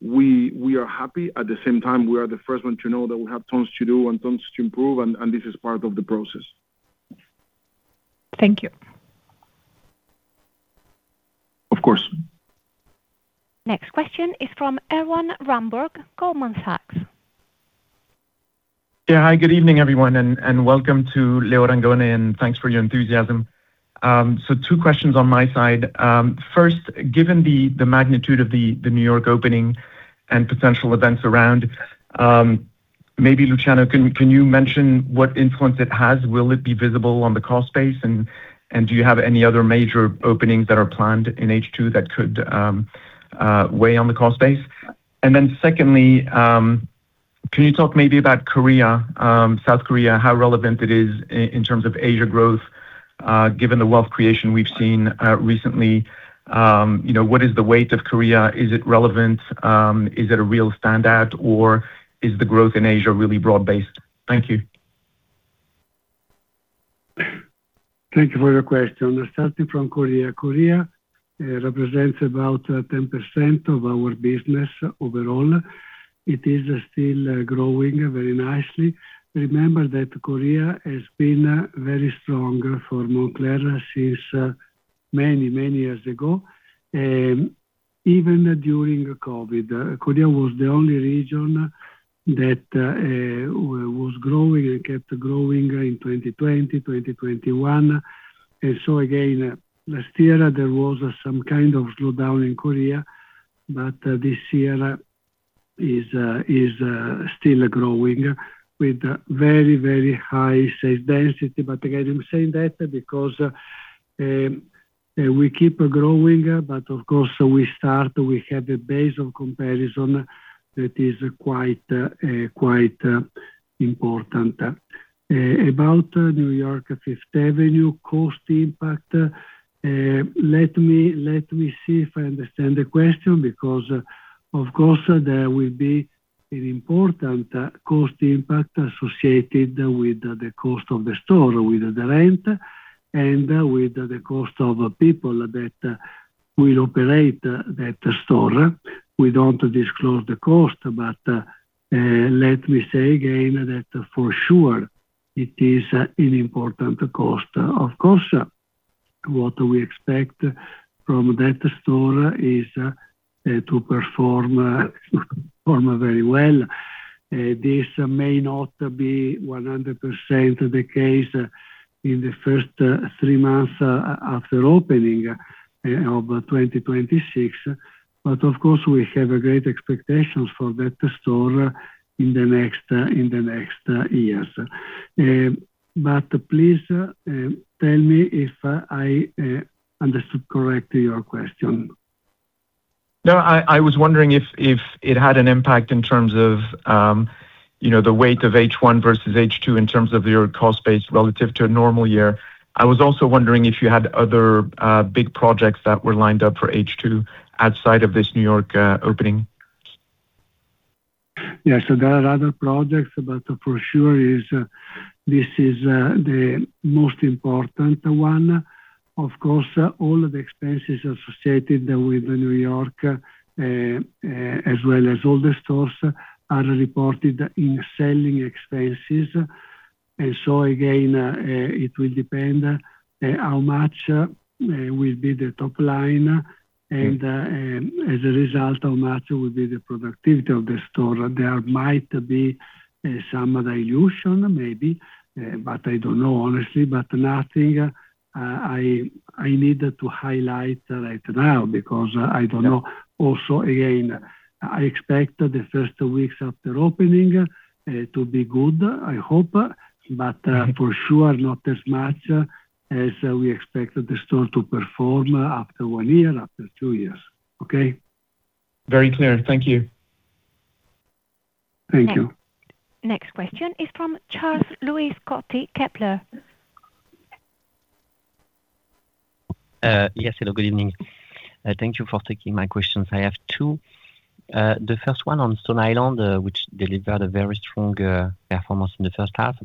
Speaker 3: we are happy. At the same time, we are the first one to know that we have tons to do and tons to improve, and this is part of the process.
Speaker 11: Thank you.
Speaker 3: Of course.
Speaker 5: Next question is from Erwan Rambourg, Goldman Sachs.
Speaker 12: Hi, good evening, everyone, and welcome to Leo Rongone, and thanks for your enthusiasm. Two questions on my side. First, given the magnitude of the New York opening and potential events around, maybe Luciano, can you mention what influence it has? Will it be visible on the cost base, and do you have any other major openings that are planned in H2 that could weigh on the cost base? Secondly, can you talk maybe about Korea, South Korea, how relevant it is in terms of Asia growth, given the wealth creation we've seen recently, what is the weight of Korea? Is it relevant? Is it a real standout, or is the growth in Asia really broad-based? Thank you.
Speaker 4: Thank you for your question. Starting from Korea. Korea represents about 10% of our business overall. It is still growing very nicely. Remember that Korea has been very strong for Moncler since many years ago. Even during COVID, Korea was the only region that was growing and kept growing in 2020, 2021. Last year, there was some kind of slowdown in Korea, but this year is still growing with very high sales density. I'm saying that because we keep growing, but we have a base of comparison that is quite important. About New York Fifth Avenue cost impact, let me see if I understand the question because there will be an important cost impact associated with the cost of the store, with the rent, and with the cost of people that will operate that store. We don't disclose the cost, let me say again that for sure it is an important cost. What we expect from that store is to perform very well. This may not be 100% the case in the first three months after opening of 2026. We have great expectations for that store in the next years. Please tell me if I understood correctly your question.
Speaker 12: No, I was wondering if it had an impact in terms of the weight of H1 versus H2 in terms of your cost base relative to a normal year. I was also wondering if you had other big projects that were lined up for H2 outside of this New York opening.
Speaker 4: Yeah. There are other projects, but for sure, this is the most important one. All of the expenses associated with New York, as well as all the stores, are reported in selling expenses. It will depend how much will be the top line, and as a result, how much will be the productivity of the store. There might be some dilution maybe, I don't know, honestly, nothing I need to highlight right now because I don't know. I expect the first weeks after opening to be good, I hope, but for sure not as much as we expect the store to perform after one year, after two years. Okay?
Speaker 12: Very clear. Thank you.
Speaker 4: Thank you.
Speaker 5: Next question is from Charles-Louis Scotti, Kepler.
Speaker 13: Yes. Hello, good evening. Thank you for taking my questions. I have two. The first one on Stone Island, which delivered a very strong performance in the first half.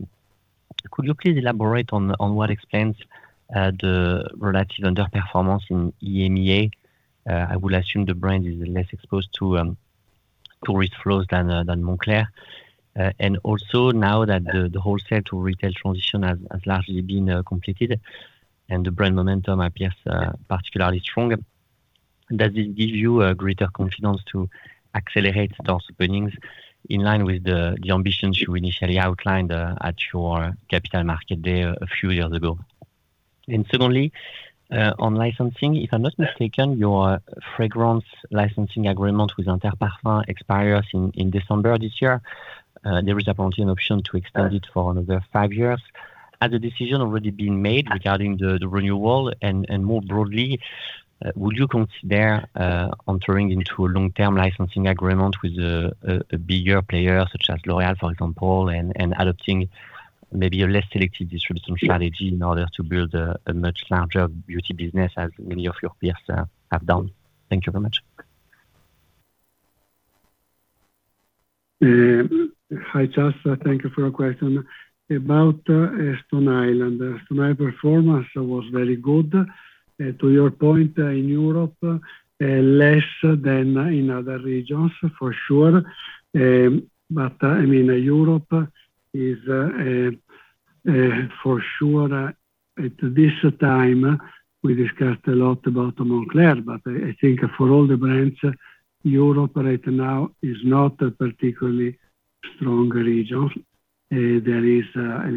Speaker 13: Could you please elaborate on what explains the relative underperformance in EMEA? I would assume the brand is less exposed to tourist flows than Moncler. Also, now that the wholesale to retail transition has largely been completed and the brand momentum appears particularly strong, does it give you a greater confidence to accelerate store openings in line with the ambition you initially outlined at your Capital Market Day a few years ago? Secondly, on licensing, if I'm not mistaken, your fragrance licensing agreement with Interparfums expires in December of this year. There is apparently an option to extend it for another five years. Has the decision already been made regarding the renewal, and more broadly, would you consider entering into a long-term licensing agreement with a bigger player such as L'Oréal, for example, and adopting maybe a less selective distribution strategy in order to build a much larger beauty business as many of your peers have done? Thank you very much.
Speaker 4: Hi, Charles. Thank you for your question. About Stone Island. Stone Island performance was very good. To your point, in Europe, less than in other regions, for sure. Europe is, for sure at this time, we discussed a lot about Moncler, but I think for all the brands, Europe right now is not a particularly strong region. There is a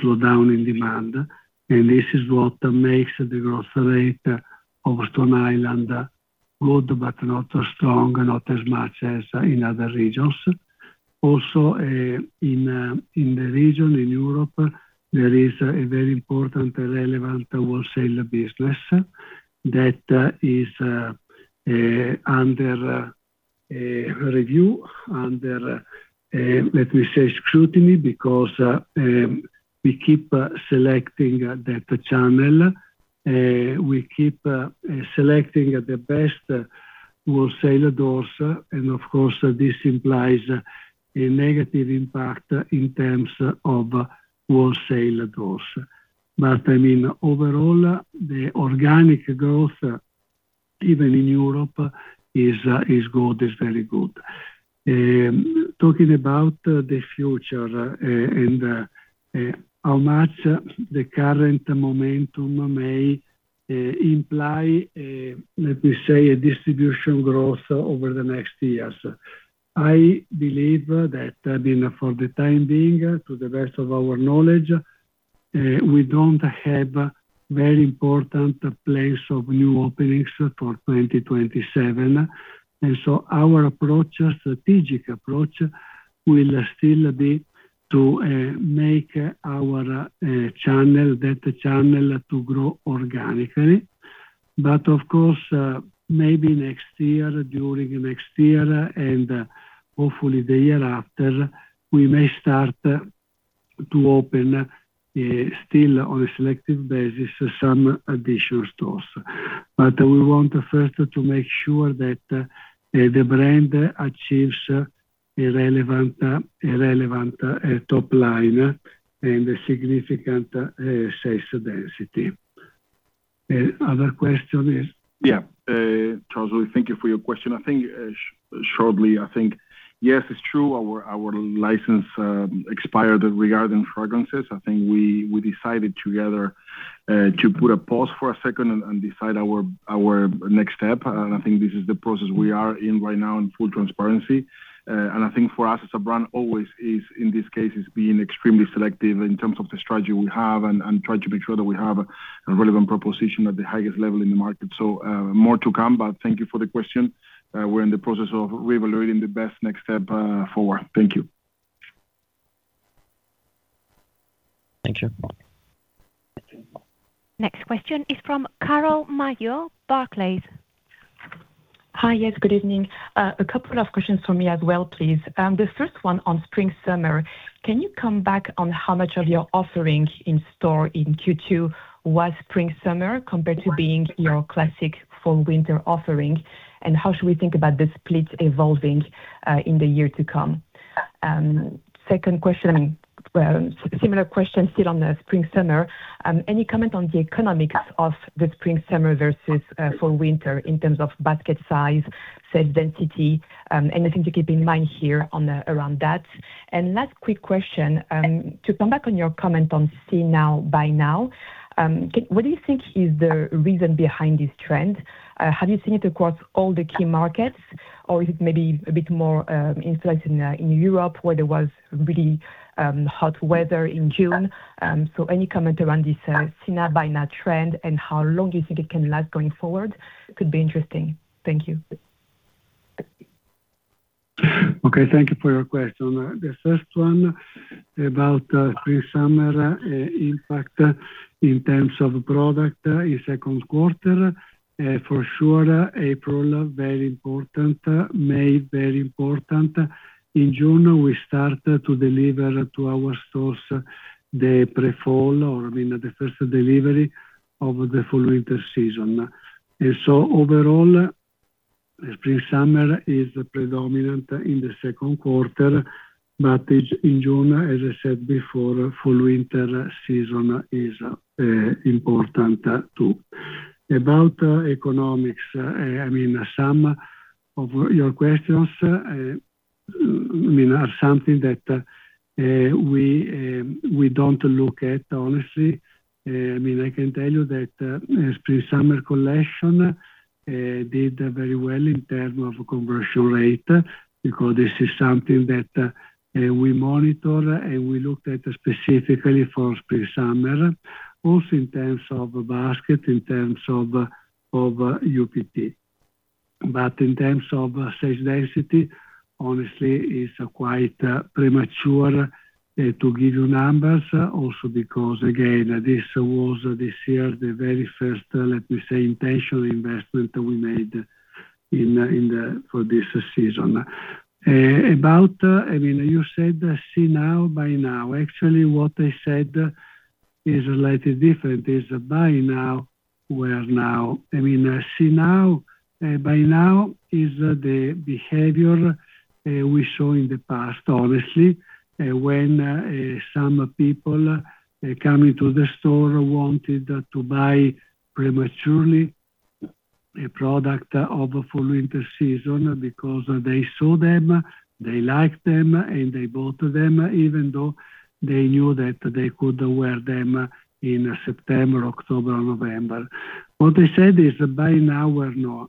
Speaker 4: slowdown in demand, and this is what makes the growth rate of Stone Island good but not as strong, not as much as in other regions. Also in the region, in Europe, there is a very important and relevant wholesale business that is under review, under, let me say, scrutiny because we keep selecting that channel. We keep selecting the best wholesalers. Of course, this implies a negative impact in terms of wholesale doors. Overall, the organic growth, even in Europe, is very good. Talking about the future and how much the current momentum may imply, let me say, a distribution growth over the next years. I believe that for the time being, to the best of our knowledge, we don't have very important plans of new openings for 2027. Our strategic approach will still be to make that channel to grow organically. Of course, maybe next year, during next year and hopefully the year after, we may start to open, still on a selective basis, some additional stores. We want first to make sure that the brand achieves a relevant top line and a significant sales density. Other question?
Speaker 3: Yeah. Charles-Louis, thank you for your question. Shortly, I think, yes, it's true our license expired regarding fragrances. I think we decided together To put a pause for a second and decide our next step. I think this is the process we are in right now in full transparency. I think for us as a brand always is, in these cases, being extremely selective in terms of the strategy we have and try to make sure that we have a relevant proposition at the highest level in the market. More to come, but thank you for the question. We're in the process of evaluating the best next step forward. Thank you.
Speaker 13: Thank you.
Speaker 5: Next question is from Carole Madjo, Barclays.
Speaker 14: Hi. Yes, good evening. A couple of questions from me as well, please. The first one on Spring/Summer. Can you come back on how much of your offering in store in Q2 was Spring/Summer compared to being your classic Fall/Winter offering? How should we think about the split evolving in the year to come? Second question, similar question still on the Spring/Summer. Any comment on the economics of the Spring/Summer versus Fall/Winter in terms of basket size, sales density? Anything to keep in mind here around that? Last quick question, to come back on your comment on see now, buy now, what do you think is the reason behind this trend? Have you seen it across all the key markets, or is it maybe a bit more influenced in Europe where there was really hot weather in June? Any comment around this see now, buy now trend and how long do you think it can last going forward, could be interesting. Thank you.
Speaker 4: Okay, thank you for your question. The first one about Spring/Summer impact in terms of product in second quarter, for sure, April, very important, May, very important. In June, we start to deliver to our stores the pre-fall, or I mean the first delivery of the Fall/Winter season. Overall, Spring/Summer is predominant in the second quarter, but in June, as I said before, Fall/Winter season is important, too. About economics, some of your questions are something that we don't look at, honestly. I can tell you that Spring/Summer collection did very well in terms of conversion rate because this is something that we monitor and we looked at specifically for Spring/Summer, also in terms of basket, in terms of UPT. In terms of sales density, honestly, it's quite premature to give you numbers also because again, this was this year the very first, let me say, intentional investment we made for this season. You said see now, buy now. Actually, what I said is slightly different, is Buy Now, Wear Now. See now, buy now is the behavior we saw in the past, honestly, when some people coming to the store wanted to buy prematurely a product of Fall/Winter season because they saw them, they liked them, and they bought them even though they knew that they could wear them in September, October, or November. What I said is Buy Now, Wear Now.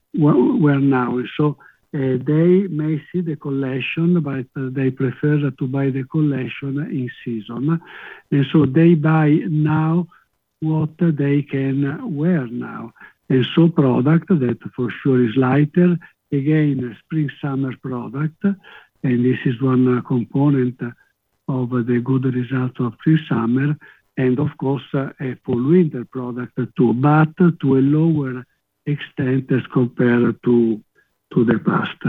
Speaker 4: They may see the collection, but they prefer to buy the collection in season. They buy now what they can wear now. Product that for sure is lighter, again, Spring/Summer product, and this is one component of the good result of Spring/Summer, and of course, a Fall/Winter product too, but to a lower extent as compared to the past.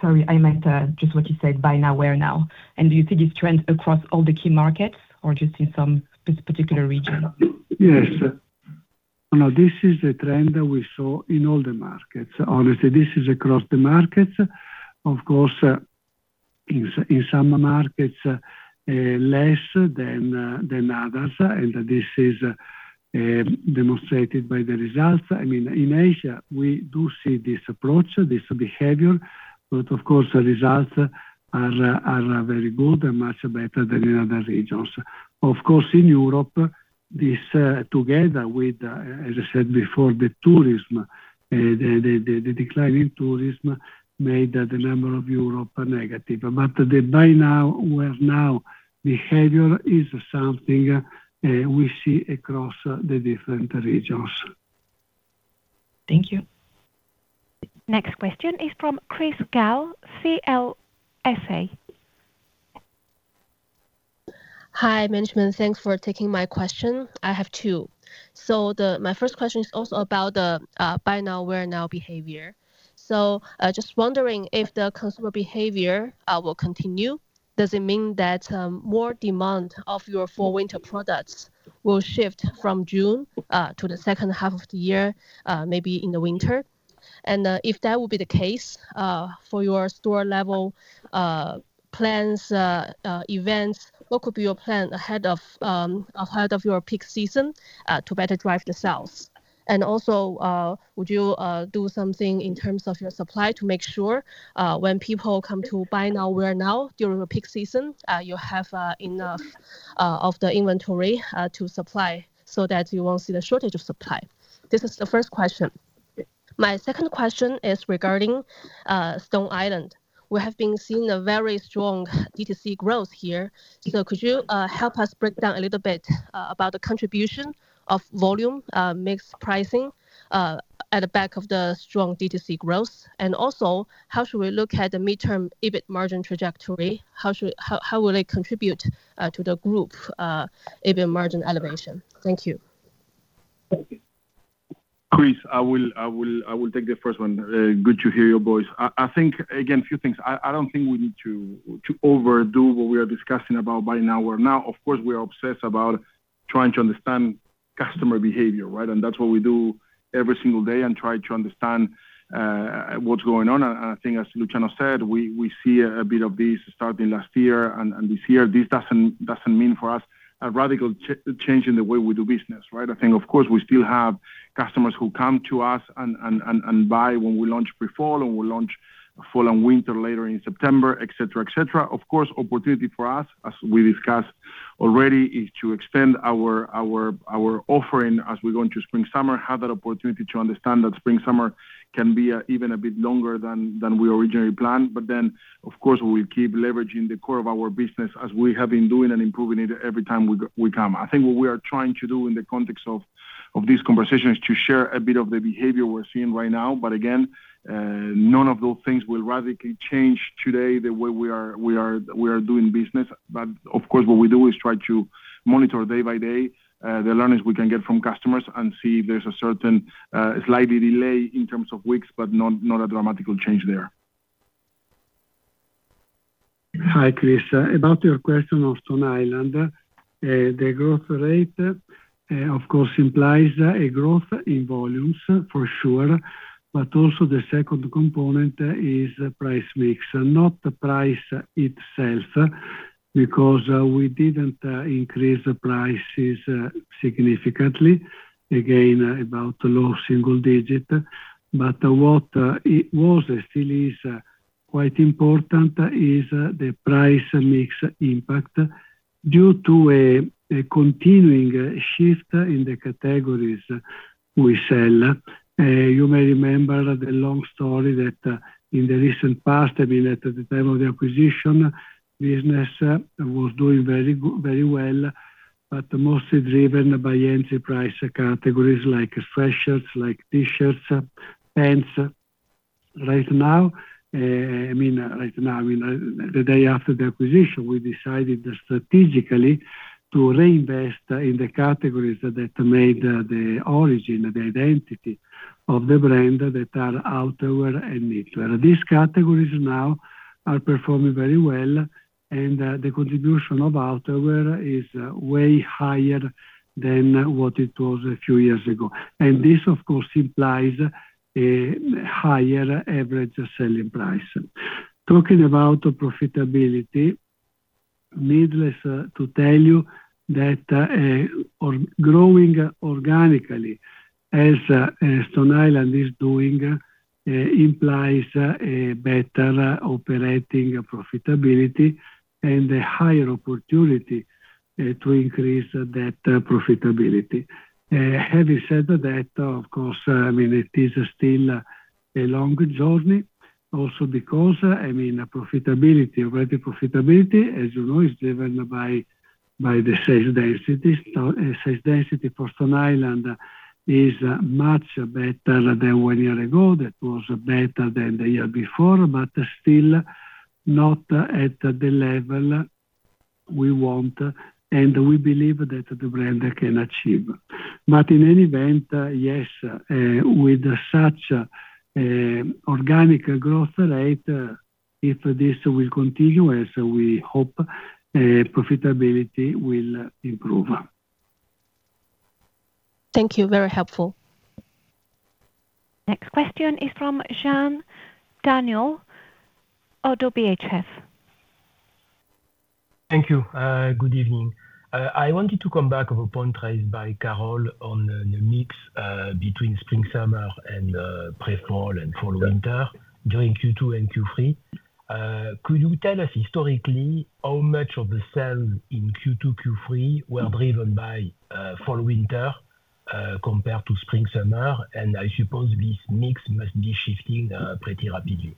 Speaker 14: Sorry. I meant just what you said, Buy Now, Wear Now. Do you see this trend across all the key markets or just in some particular region?
Speaker 4: This is a trend that we saw in all the markets. Honestly, this is across the markets. Of course, in some markets, less than others, and this is demonstrated by the results. In Asia, we do see this approach, this behavior, but of course, the results are very good and much better than in other regions. Of course, in Europe, this together with, as I said before, the tourism, the decline in tourism made the number of Europe negative. The Buy Now, Wear Now behavior is something we see across the different regions.
Speaker 14: Thank you.
Speaker 5: Next question is from Chris Gao, CLSA.
Speaker 15: Hi, management. Thanks for taking my question. I have two. My first question is also about the Buy Now, Wear Now behavior. Just wondering if the consumer behavior will continue. Does it mean that more demand of your Fall/Winter products will shift from June to the second half of the year, maybe in the winter? If that will be the case, for your store level plans, events, what could be your plan ahead of your peak season, to better drive the sales? Would you do something in terms of your supply to make sure when people come to Buy Now, Wear Now during the peak season, you have enough of the inventory to supply so that you won't see the shortage of supply? This is the first question. My second question is regarding Stone Island. We have been seeing a very strong D2C growth here. Could you help us break down a little bit about the contribution of volume mix pricing at the back of the strong D2C growth? How should we look at the midterm EBIT margin trajectory? How will it contribute to the group EBIT margin elevation? Thank you.
Speaker 4: Thank you.
Speaker 3: Chris, I will take the first one. Good to hear your voice. I think, again, a few things. I don't think we need to overdo what we are discussing about Buy Now, Wear Now. Of course, we are obsessed about trying to understand customer behavior, right? That's what we do every single day and try to understand what's going on. I think as Luciano said, we see a bit of this starting last year and this year. This doesn't mean for us a radical change in the way we do business, right? I think, of course, we still have customers who come to us and buy when we launch pre-fall, and we launch fall and winter later in September, et cetera. Opportunity for us, as we discussed already, is to extend our offering as we go into Spring/Summer, have that opportunity to understand that Spring/Summer can be even a bit longer than we originally planned. Of course, we will keep leveraging the core of our business as we have been doing and improving it every time we come. I think what we are trying to do in the context of this conversation is to share a bit of the behavior we're seeing right now. Again, none of those things will radically change today the way we are doing business. Of course, what we do is try to monitor day by day, the learnings we can get from customers and see if there's a certain slight delay in terms of weeks, but not a dramatic change there.
Speaker 4: Hi, Chris. About your question on Stone Island, the growth rate, of course, implies a growth in volumes for sure, but also the second component is price mix, not the price itself because we didn't increase the prices significantly, again, about low single-digit. What was and still is quite important is the price mix impact due to a continuing shift in the categories we sell. You may remember the long story that in the recent past, I mean, at the time of the acquisition, business was doing very well, but mostly driven by entry price categories like sweatshirts, like T-shirts, pants. Right now, I mean, the day after the acquisition, we decided strategically to reinvest in the categories that made the origin, the identity of the brand that are outerwear and knitwear. These categories now are performing very well, and the contribution of outerwear is way higher than what it was a few years ago. This, of course, implies a higher average selling price. Talking about profitability, needless to tell you that growing organically as Stone Island is doing implies a better operating profitability and a higher opportunity to increase that profitability. Having said that, of course, it is still a long journey also because profitability, operating profitability, as you know, is driven by the sales density. Sales density for Stone Island is much better than one year ago. That was better than the year before, but still not at the level we want and we believe that the brand can achieve. In any event, yes, with such organic growth rate, if this will continue as we hope, profitability will improve.
Speaker 15: Thank you. Very helpful.
Speaker 5: Next question is from Jean Danjou, Oddo BHF.
Speaker 16: Thank you. Good evening. I wanted to come back on a point raised by Carole on the mix between Spring/Summer and pre-fall and Fall/Winter during Q2 and Q3. Could you tell us historically how much of the sales in Q2, Q3 were driven by Fall/Winter compared to Spring/Summer? I suppose this mix must be shifting pretty rapidly.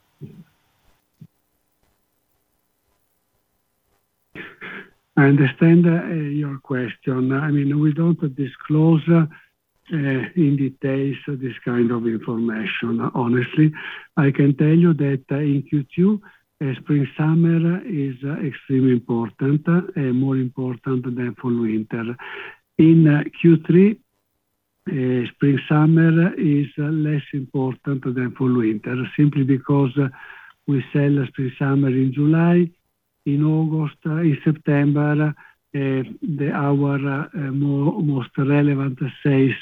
Speaker 4: I understand your question. I mean, we don't disclose in details this kind of information, honestly. I can tell you that in Q2, Spring/Summer is extremely important and more important than Fall/Winter. In Q3, Spring/Summer is less important than Fall/Winter, simply because we sell Spring/Summer in July, in August, in September, our most relevant sales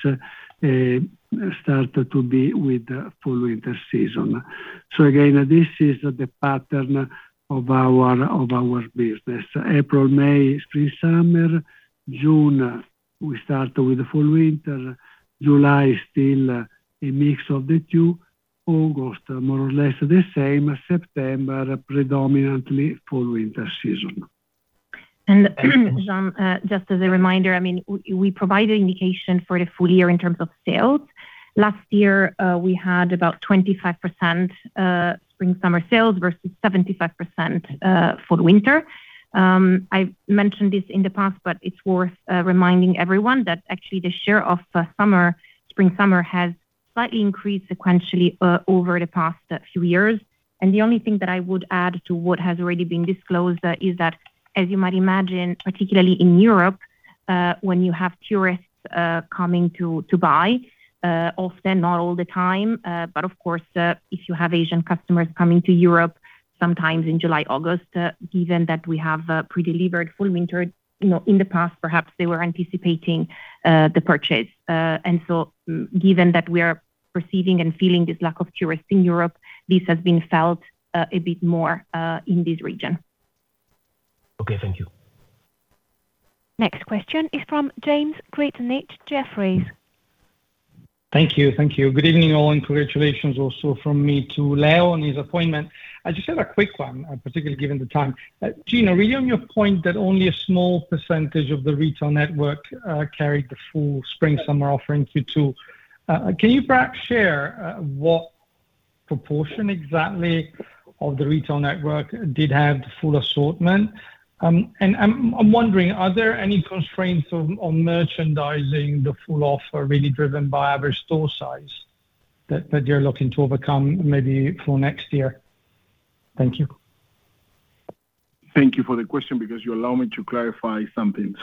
Speaker 4: start to be with Fall/Winter season. Again, this is the pattern of our business. April, May is Spring/Summer. June, we start with the Fall/Winter. July is still a mix of the two. August, more or less the same. September, predominantly Fall/Winter season.
Speaker 1: Jean, just as a reminder, we provide an indication for the full-year in terms of sales. Last year, we had about 25% Spring/Summer sales versus 75% Fall/Winter. I mentioned this in the past, but it's worth reminding everyone that actually the share of Spring/Summer has slightly increased sequentially over the past few years. The only thing that I would add to what has already been disclosed is that, as you might imagine, particularly in Europe, when you have tourists coming to buy, often, not all the time, but of course, if you have Asian customers coming to Europe sometimes in July, August, given that we have pre-delivered Fall/Winter, in the past, perhaps they were anticipating the purchase. So given that we are perceiving and feeling this lack of tourists in Europe, this has been felt a bit more in this region.
Speaker 16: Okay. Thank you.
Speaker 5: Next question is from James Grzinic, Jefferies.
Speaker 17: Thank you. Good evening, all, and congratulations also from me to Leo on his appointment. I just had a quick one, particularly given the time. Gino, really on your point that only a small percentage of the retail network carried the full Spring/Summer offering Q2, can you perhaps share what proportion exactly of the retail network did have the full assortment? I'm wondering, are there any constraints on merchandising the full offer really driven by average store size that you're looking to overcome maybe for next year? Thank you.
Speaker 3: Thank you for the question because you allow me to clarify something.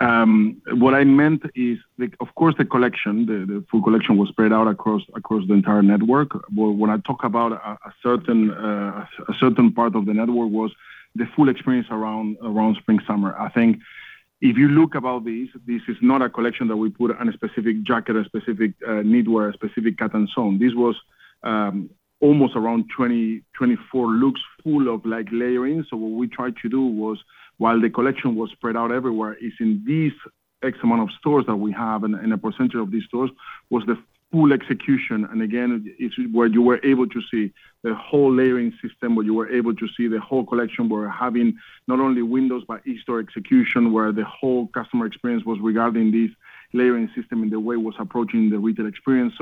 Speaker 3: What I meant is, of course, the full collection was spread out across the entire network. When I talk about a certain part of the network was the full experience around Spring/Summer. I think if you look about this is not a collection that we put on a specific jacket, a specific knitwear, a specific cut and sewn. This was almost around 24 looks full of layering. What we tried to do was, while the collection was spread out everywhere, is in this X amount of stores that we have, and a percentage of these stores, was the full execution. Again, it's where you were able to see the whole layering system, where you were able to see the whole collection. We're having not only windows by each store execution, where the whole customer experience was regarding this layering system and the way it was approaching the retail experience.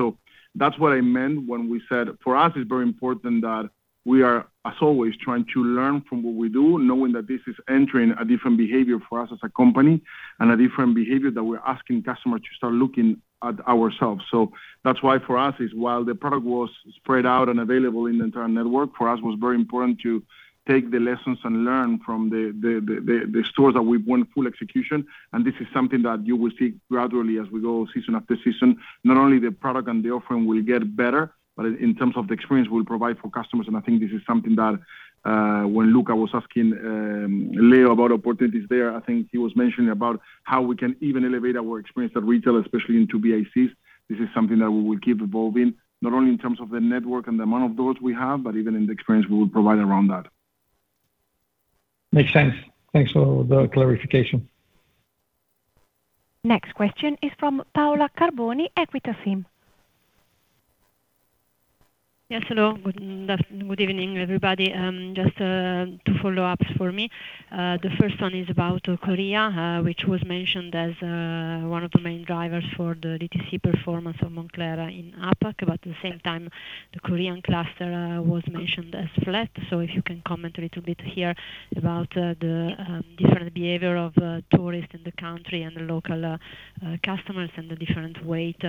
Speaker 3: That's what I meant when we said, for us, it's very important that we are, as always, trying to learn from what we do, knowing that this is entering a different behavior for us as a company and a different behavior that we're asking customers to start looking at ourselves. That's why for us, while the product was spread out and available in the entire network, for us, it was very important to take the lessons and learn from the stores that we want full execution. This is something that you will see gradually as we go season after season. Not only the product and the offering will get better, but in terms of the experience we'll provide for customers. I think this is something that when Luca was asking Leo about opportunities there, I think he was mentioning about how we can even elevate our experience at retail, especially in two VICs. This is something that we will keep evolving, not only in terms of the network and the amount of those we have, but even in the experience we will provide around that.
Speaker 17: Makes sense. Thanks for the clarification.
Speaker 1: Next question is from Paola Carboni, EQUITA SIM.
Speaker 18: Yes, hello. Good evening, everybody. Just two follow-ups for me. The first one is about Korea, which was mentioned as one of the main drivers for the DTC performance of Moncler in APAC, but at the same time, the Korean cluster was mentioned as flat. If you can comment a little bit here about the different behavior of tourists in the country and local customers and the different weight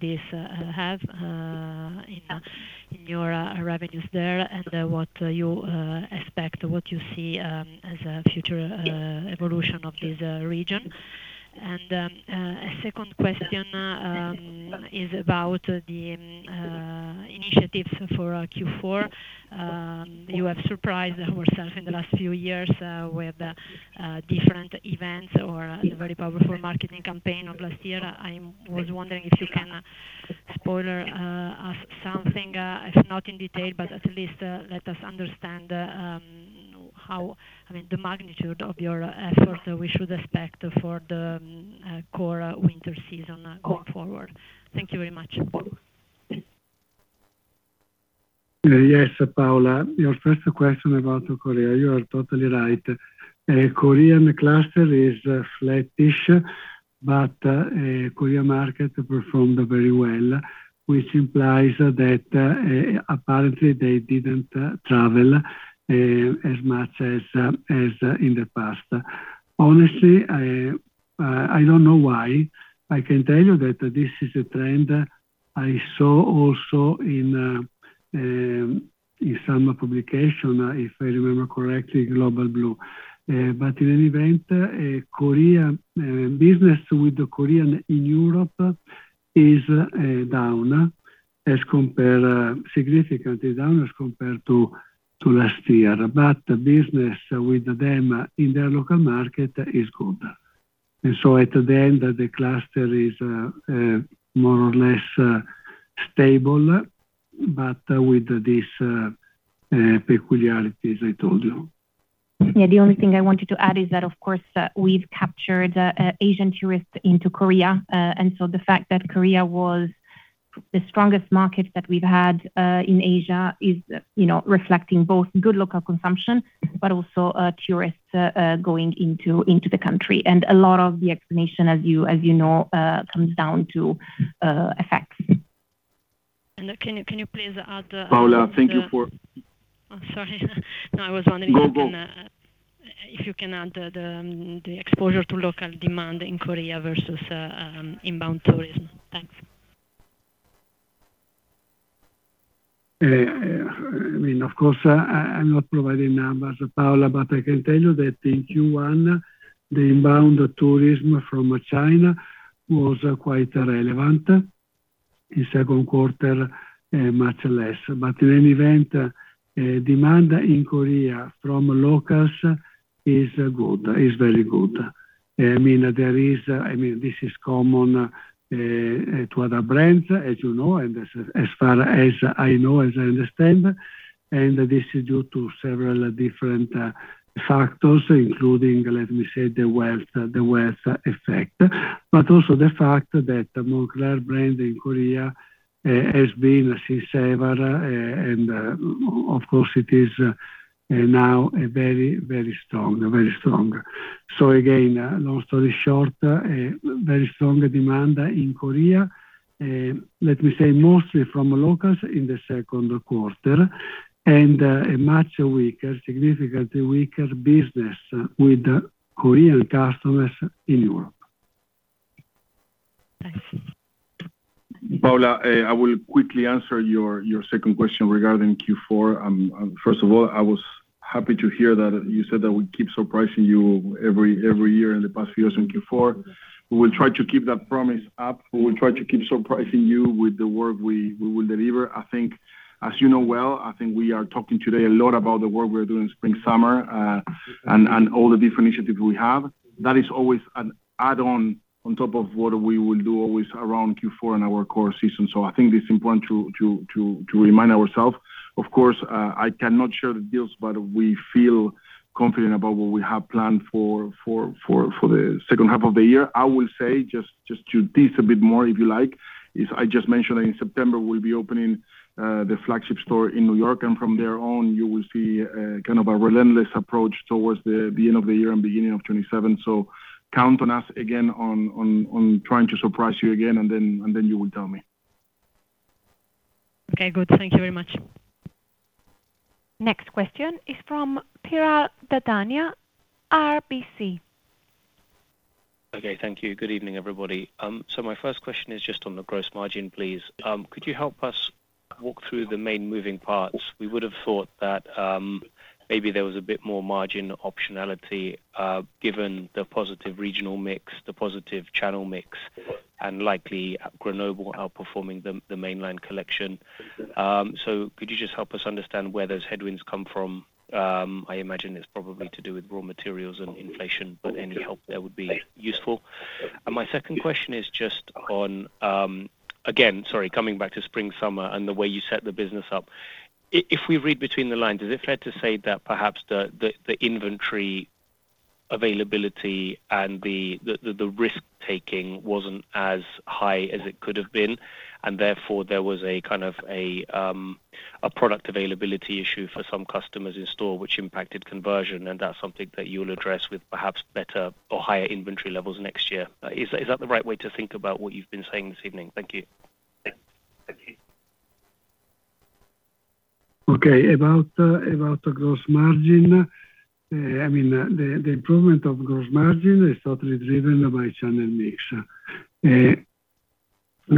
Speaker 18: this have in your revenues there and what you expect, what you see as a future evolution of this region. A second question is about the initiatives for Q4. You have surprised ourselves in the last few years with different events or a very powerful marketing campaign of last year. I was wondering if you can spoiler us something, if not in detail, but at least let us understand the magnitude of your efforts that we should expect for the core winter season going forward. Thank you very much.
Speaker 4: Yes, Paola, your first question about Korea, you are totally right. Korean cluster is flattish, but Korea market performed very well, which implies that apparently they didn't travel as much as in the past. Honestly, I don't know why. I can tell you that this is a trend I saw also in some publication, if I remember correctly, Global Blue. In any event, business with the Korean in Europe is down, significantly down as compared to last year. Business with them in their local market is good. At the end, the cluster is more or less stable, but with these peculiarities I told you.
Speaker 1: Yeah. The only thing I wanted to add is that, of course, we've captured Asian tourists into Korea. The fact that Korea was the strongest market that we've had in Asia is reflecting both good local consumption, but also tourists going into the country. A lot of the explanation, as you know, comes down to FX.
Speaker 18: can you please add-
Speaker 3: Paola, thank you for-
Speaker 18: sorry. I was wondering if you can-
Speaker 3: Go
Speaker 18: if you can add the exposure to local demand in Korea versus inbound tourism. Thanks.
Speaker 4: Of course, I'm not providing numbers, Paola, but I can tell you that in Q1, the inbound tourism from China was quite relevant. In second quarter, much less. In any event, demand in Korea from locals is very good. This is common to other brands, as you know, and as far as I know, as I understand, this is due to several different factors, including, let me say, the wealth effect, but also the fact that Moncler brand in Korea has been since ever, and of course, it is now very strong. Again, long story short, very strong demand in Korea, let me say, mostly from locals in the second quarter, and a much weaker, significantly weaker business with Korean customers in Europe.
Speaker 18: Thanks.
Speaker 3: Paola, I will quickly answer your second question regarding Q4. First of all, I was happy to hear that you said that we keep surprising you every year in the past few years in Q4. We will try to keep that promise up. We will try to keep surprising you with the work we will deliver. As you know well, I think we are talking today a lot about the work we are doing Spring/Summer, and all the different initiatives we have. That is always an add-on, on top of what we will do always around Q4 in our core season. I think it's important to remind ourselves. Of course, I cannot share the deals, but we feel confident about what we have planned for the second half of the year. I will say, just to tease a bit more, if you like, is I just mentioned that in September, we'll be opening the flagship store in New York. From there on, you will see kind of a relentless approach towards the end of the year and beginning of 2027. Count on us again on trying to surprise you again. Then you will tell me.
Speaker 18: Okay, good. Thank you very much.
Speaker 5: Next question is from Piral Dadhania, RBC.
Speaker 19: Okay. Thank you. Good evening, everybody. My first question is just on the gross margin, please. Could you help us walk through the main moving parts? We would have thought that maybe there was a bit more margin optionality, given the positive regional mix, the positive channel mix, and likely Grenoble outperforming the Moncler Collection. Could you just help us understand where those headwinds come from? I imagine it's probably to do with raw materials and inflation, but any help there would be useful. My second question is just on, again, sorry, coming back to Spring/Summer and the way you set the business up. If we read between the lines, is it fair to say that perhaps the inventory availability and the risk-taking wasn't as high as it could have been, and therefore, there was a kind of a product availability issue for some customers in store which impacted conversion, and that's something that you'll address with perhaps better or higher inventory levels next year. Is that the right way to think about what you've been saying this evening? Thank you.
Speaker 4: Okay. About gross margin, the improvement of gross margin is totally driven by channel mix.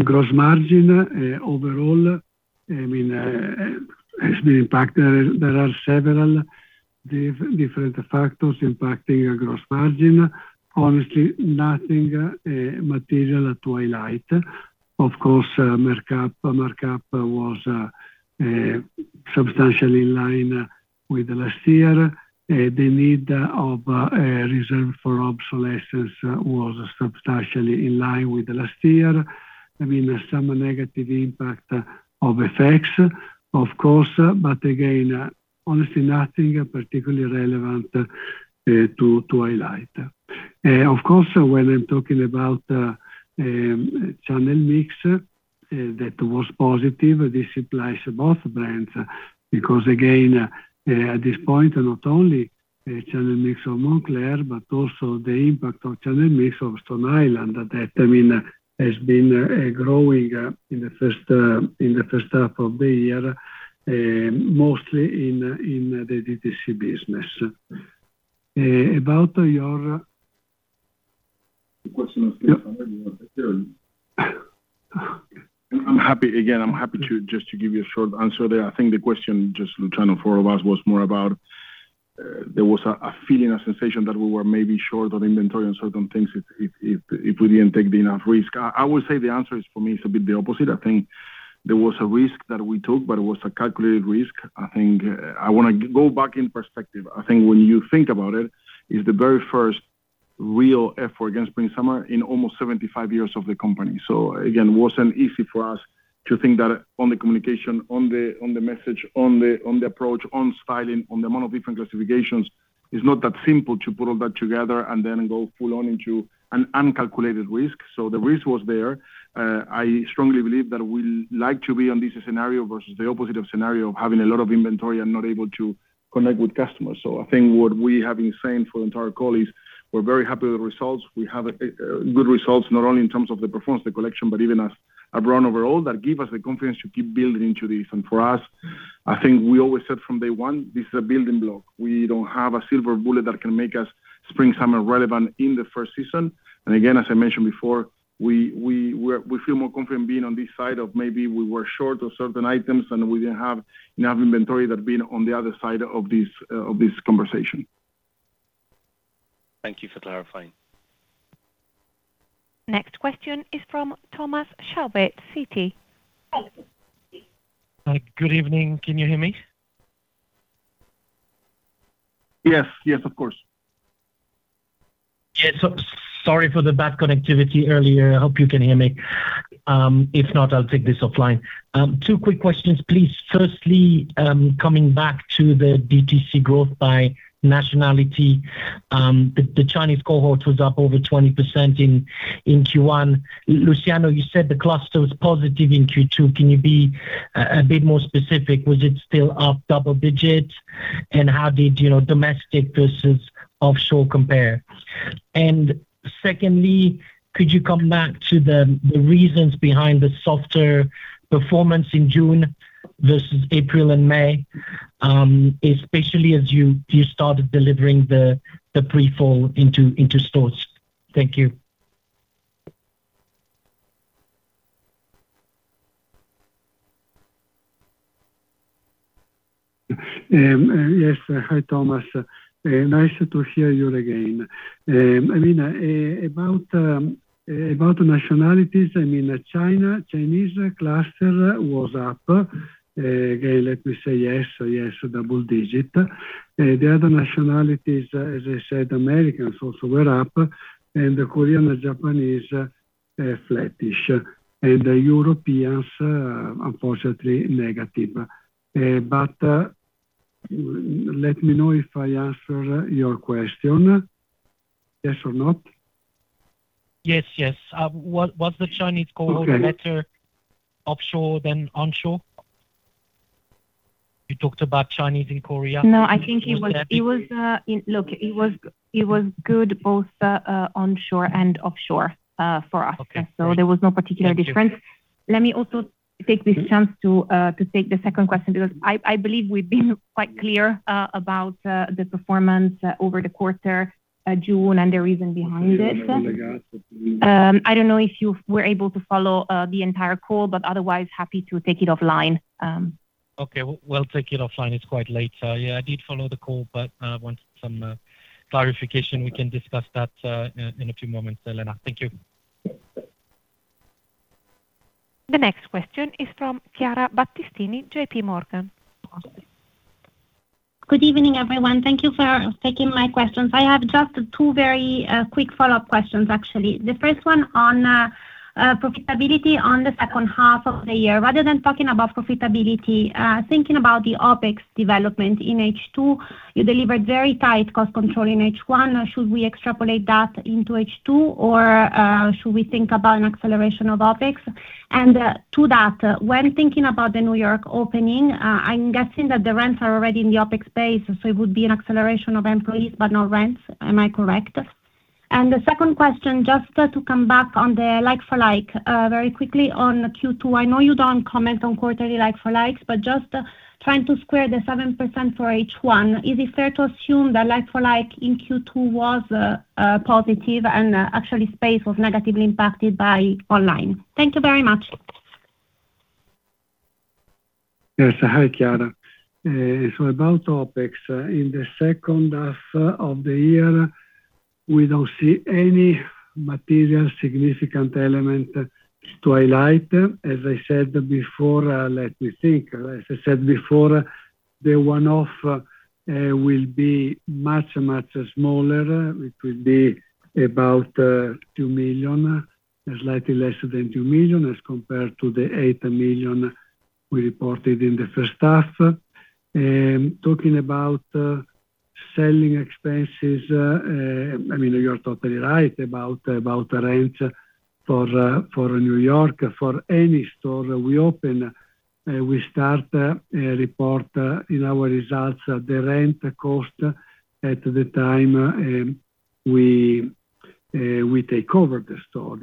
Speaker 4: Gross margin overall has been impacted. There are several different factors impacting gross margin. Honestly, nothing material to highlight. Of course, markup was substantially in line with last year. The need of a reserve for obsolescence was substantially in line with last year. Some negative impact of FX, of course, but again, honestly, nothing particularly relevant to highlight. Of course, when I'm talking about channel mix, that was positive. This applies to both brands because, again, at this point, not only channel mix of Moncler, but also the impact of channel mix of Stone Island that has been growing in the first half of the year, mostly in the D2C business. About your-
Speaker 3: I'm happy just to give you a short answer there. I think the question, just Luciano, for all of us was more about there was a feeling or sensation that we were maybe short on inventory on certain things if we didn't take enough risk. I would say the answer is, for me, is a bit the opposite. There was a risk that we took, but it was a calculated risk. I want to go back in perspective. I think when you think about it's the very first real effort against Spring/Summer in almost 75 years of the company. It wasn't easy for us to think that on the communication, on the message, on the approach, on styling, on the amount of different classifications, it's not that simple to put all that together and then go full on into an uncalculated risk. The risk was there. I strongly believe that we like to be on this scenario versus the opposite of scenario of having a lot of inventory and not able to connect with customers. I think what we have been saying for the entire call is we're very happy with the results. We have good results, not only in terms of the performance of the collection, but even as a brand overall, that give us the confidence to keep building into this. For us, I think we always said from day one, this is a building block. We don't have a silver bullet that can make us Spring/Summer relevant in the first season. As I mentioned before, we feel more confident being on this side of maybe we were short of certain items and we didn't have enough inventory than being on the other side of this conversation.
Speaker 19: Thank you for clarifying.
Speaker 5: Next question is from Thomas Chauvet, Citi.
Speaker 20: Hi. Good evening. Can you hear me?
Speaker 3: Yes, of course.
Speaker 20: Sorry for the bad connectivity earlier. I hope you can hear me. If not, I will take this offline. Two quick questions, please. Firstly, coming back to the DTC growth by nationality. The Chinese cohort was up over 20% in Q1. Luciano, you said the cluster was positive in Q2. Can you be a bit more specific? Was it still up double digits? How did domestic versus offshore compare? Secondly, could you come back to the reasons behind the softer performance in June versus April and May, especially as you started delivering the pre-fall into stores? Thank you.
Speaker 4: Yes. Hi, Thomas. Nice to hear you again. About nationalities, Chinese cluster was up. Again, let me say yes, double digit. The other nationalities, as I said, Americans also were up. Korean and Japanese are flattish. Europeans, unfortunately, negative. Let me know if I answer your question. Yes or not?
Speaker 20: Yes. Was the Chinese cohort
Speaker 4: Okay
Speaker 20: better offshore than onshore? You talked about Chinese and Korea.
Speaker 1: No, I think it was good both onshore and offshore for us.
Speaker 20: Okay.
Speaker 1: There was no particular difference. Let me also take this chance to take the second question, because I believe we've been quite clear about the performance over the quarter, June, and the reason behind it. I don't know if you were able to follow the entire call, but otherwise, happy to take it offline.
Speaker 20: Okay. We'll take it offline. It's quite late. Yeah, I did follow the call, but I wanted some clarification. We can discuss that in a few moments, Elena. Thank you.
Speaker 5: The next question is from Chiara Battistini, JPMorgan.
Speaker 21: Good evening, everyone. Thank you for taking my questions. I have just two very quick follow-up questions, actually. The first one on profitability on the second half of the year. Rather than talking about profitability, thinking about the OpEx development in H2, you delivered very tight cost control in H1. Should we extrapolate that into H2, or should we think about an acceleration of OpEx? To that, when thinking about the New York opening, I'm guessing that the rents are already in the OpEx space, so it would be an acceleration of employees, but no rents. Am I correct? The second question, just to come back on the like-for-like, very quickly on Q2, I know you don't comment on quarterly like-for-likes, but just trying to square the 7% for H1. Is it fair to assume that like-for-like in Q2 was positive and actually space was negatively impacted by online? Thank you very much.
Speaker 4: Yes. Hi, Chiara. About topics, in the second half of the year, we don't see any material significant element to highlight. As I said before, let me think. As I said before, the one-off will be much, much smaller. It will be about 2 million, slightly less than 2 million as compared to the 8 million we reported in the first half. Talking about selling expenses, you're totally right about the range for New York. For any store we open, we start report in our results the rent cost at the time we take over the store.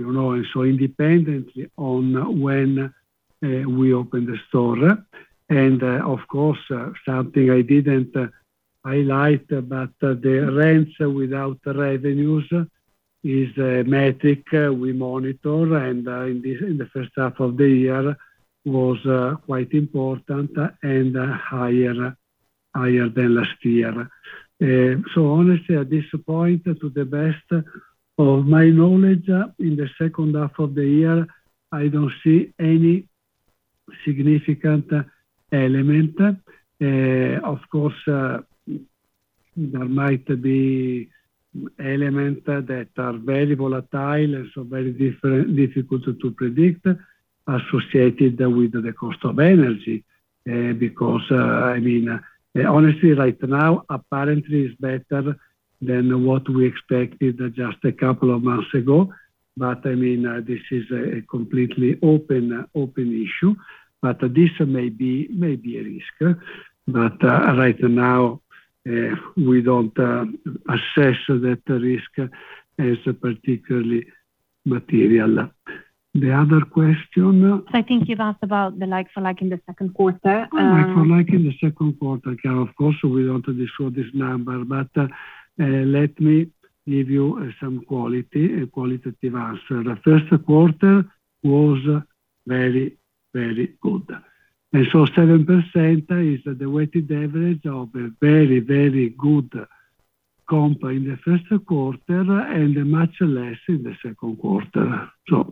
Speaker 4: Independently on when we open the store, and of course, something I didn't highlight, but the rents without revenues is a metric we monitor, and in the first half of the year was quite important and higher than last year. Honestly, at this point, to the best of my knowledge, in the second half of the year, I don't see any significant element. Of course, there might be elements that are very volatile and so very difficult to predict associated with the cost of energy. Honestly, right now, apparently it's better than what we expected just a couple of months ago. This is a completely open issue, but this may be a risk. Right now, we don't assess that risk as particularly material. The other question?
Speaker 1: I think you've asked about the like-for-like in the second quarter.
Speaker 4: Like-for-like in the second quarter. Yeah, of course, we don't disclose this number, but let me give you some qualitative answer. The first quarter was very good. 7% is the weighted average of a very good compare in the first quarter and much less in the second quarter. There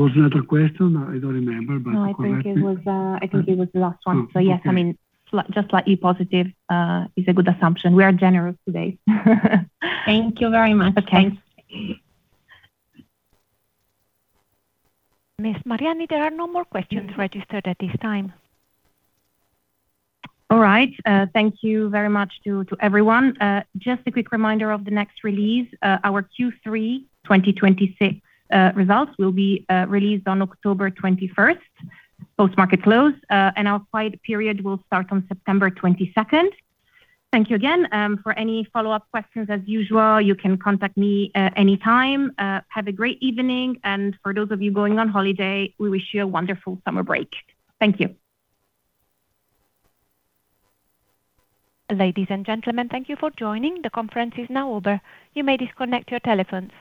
Speaker 4: was another question, I don't remember, but correct me.
Speaker 1: No, I think it was the last one.
Speaker 4: Okay.
Speaker 1: yes, just slightly positive is a good assumption. We are generous today.
Speaker 21: Thank you very much.
Speaker 1: Okay.
Speaker 5: Ms. Mariani, there are no more questions registered at this time.
Speaker 1: All right. Thank you very much to everyone. Just a quick reminder of the next release, our Q3 2026 results will be released on October 21st, post-market close, and our quiet period will start on September 22nd. Thank you again. For any follow-up questions, as usual, you can contact me anytime. Have a great evening, and for those of you going on holiday, we wish you a wonderful summer break. Thank you.
Speaker 5: Ladies and gentlemen, thank you for joining. The conference is now over. You may disconnect your telephones.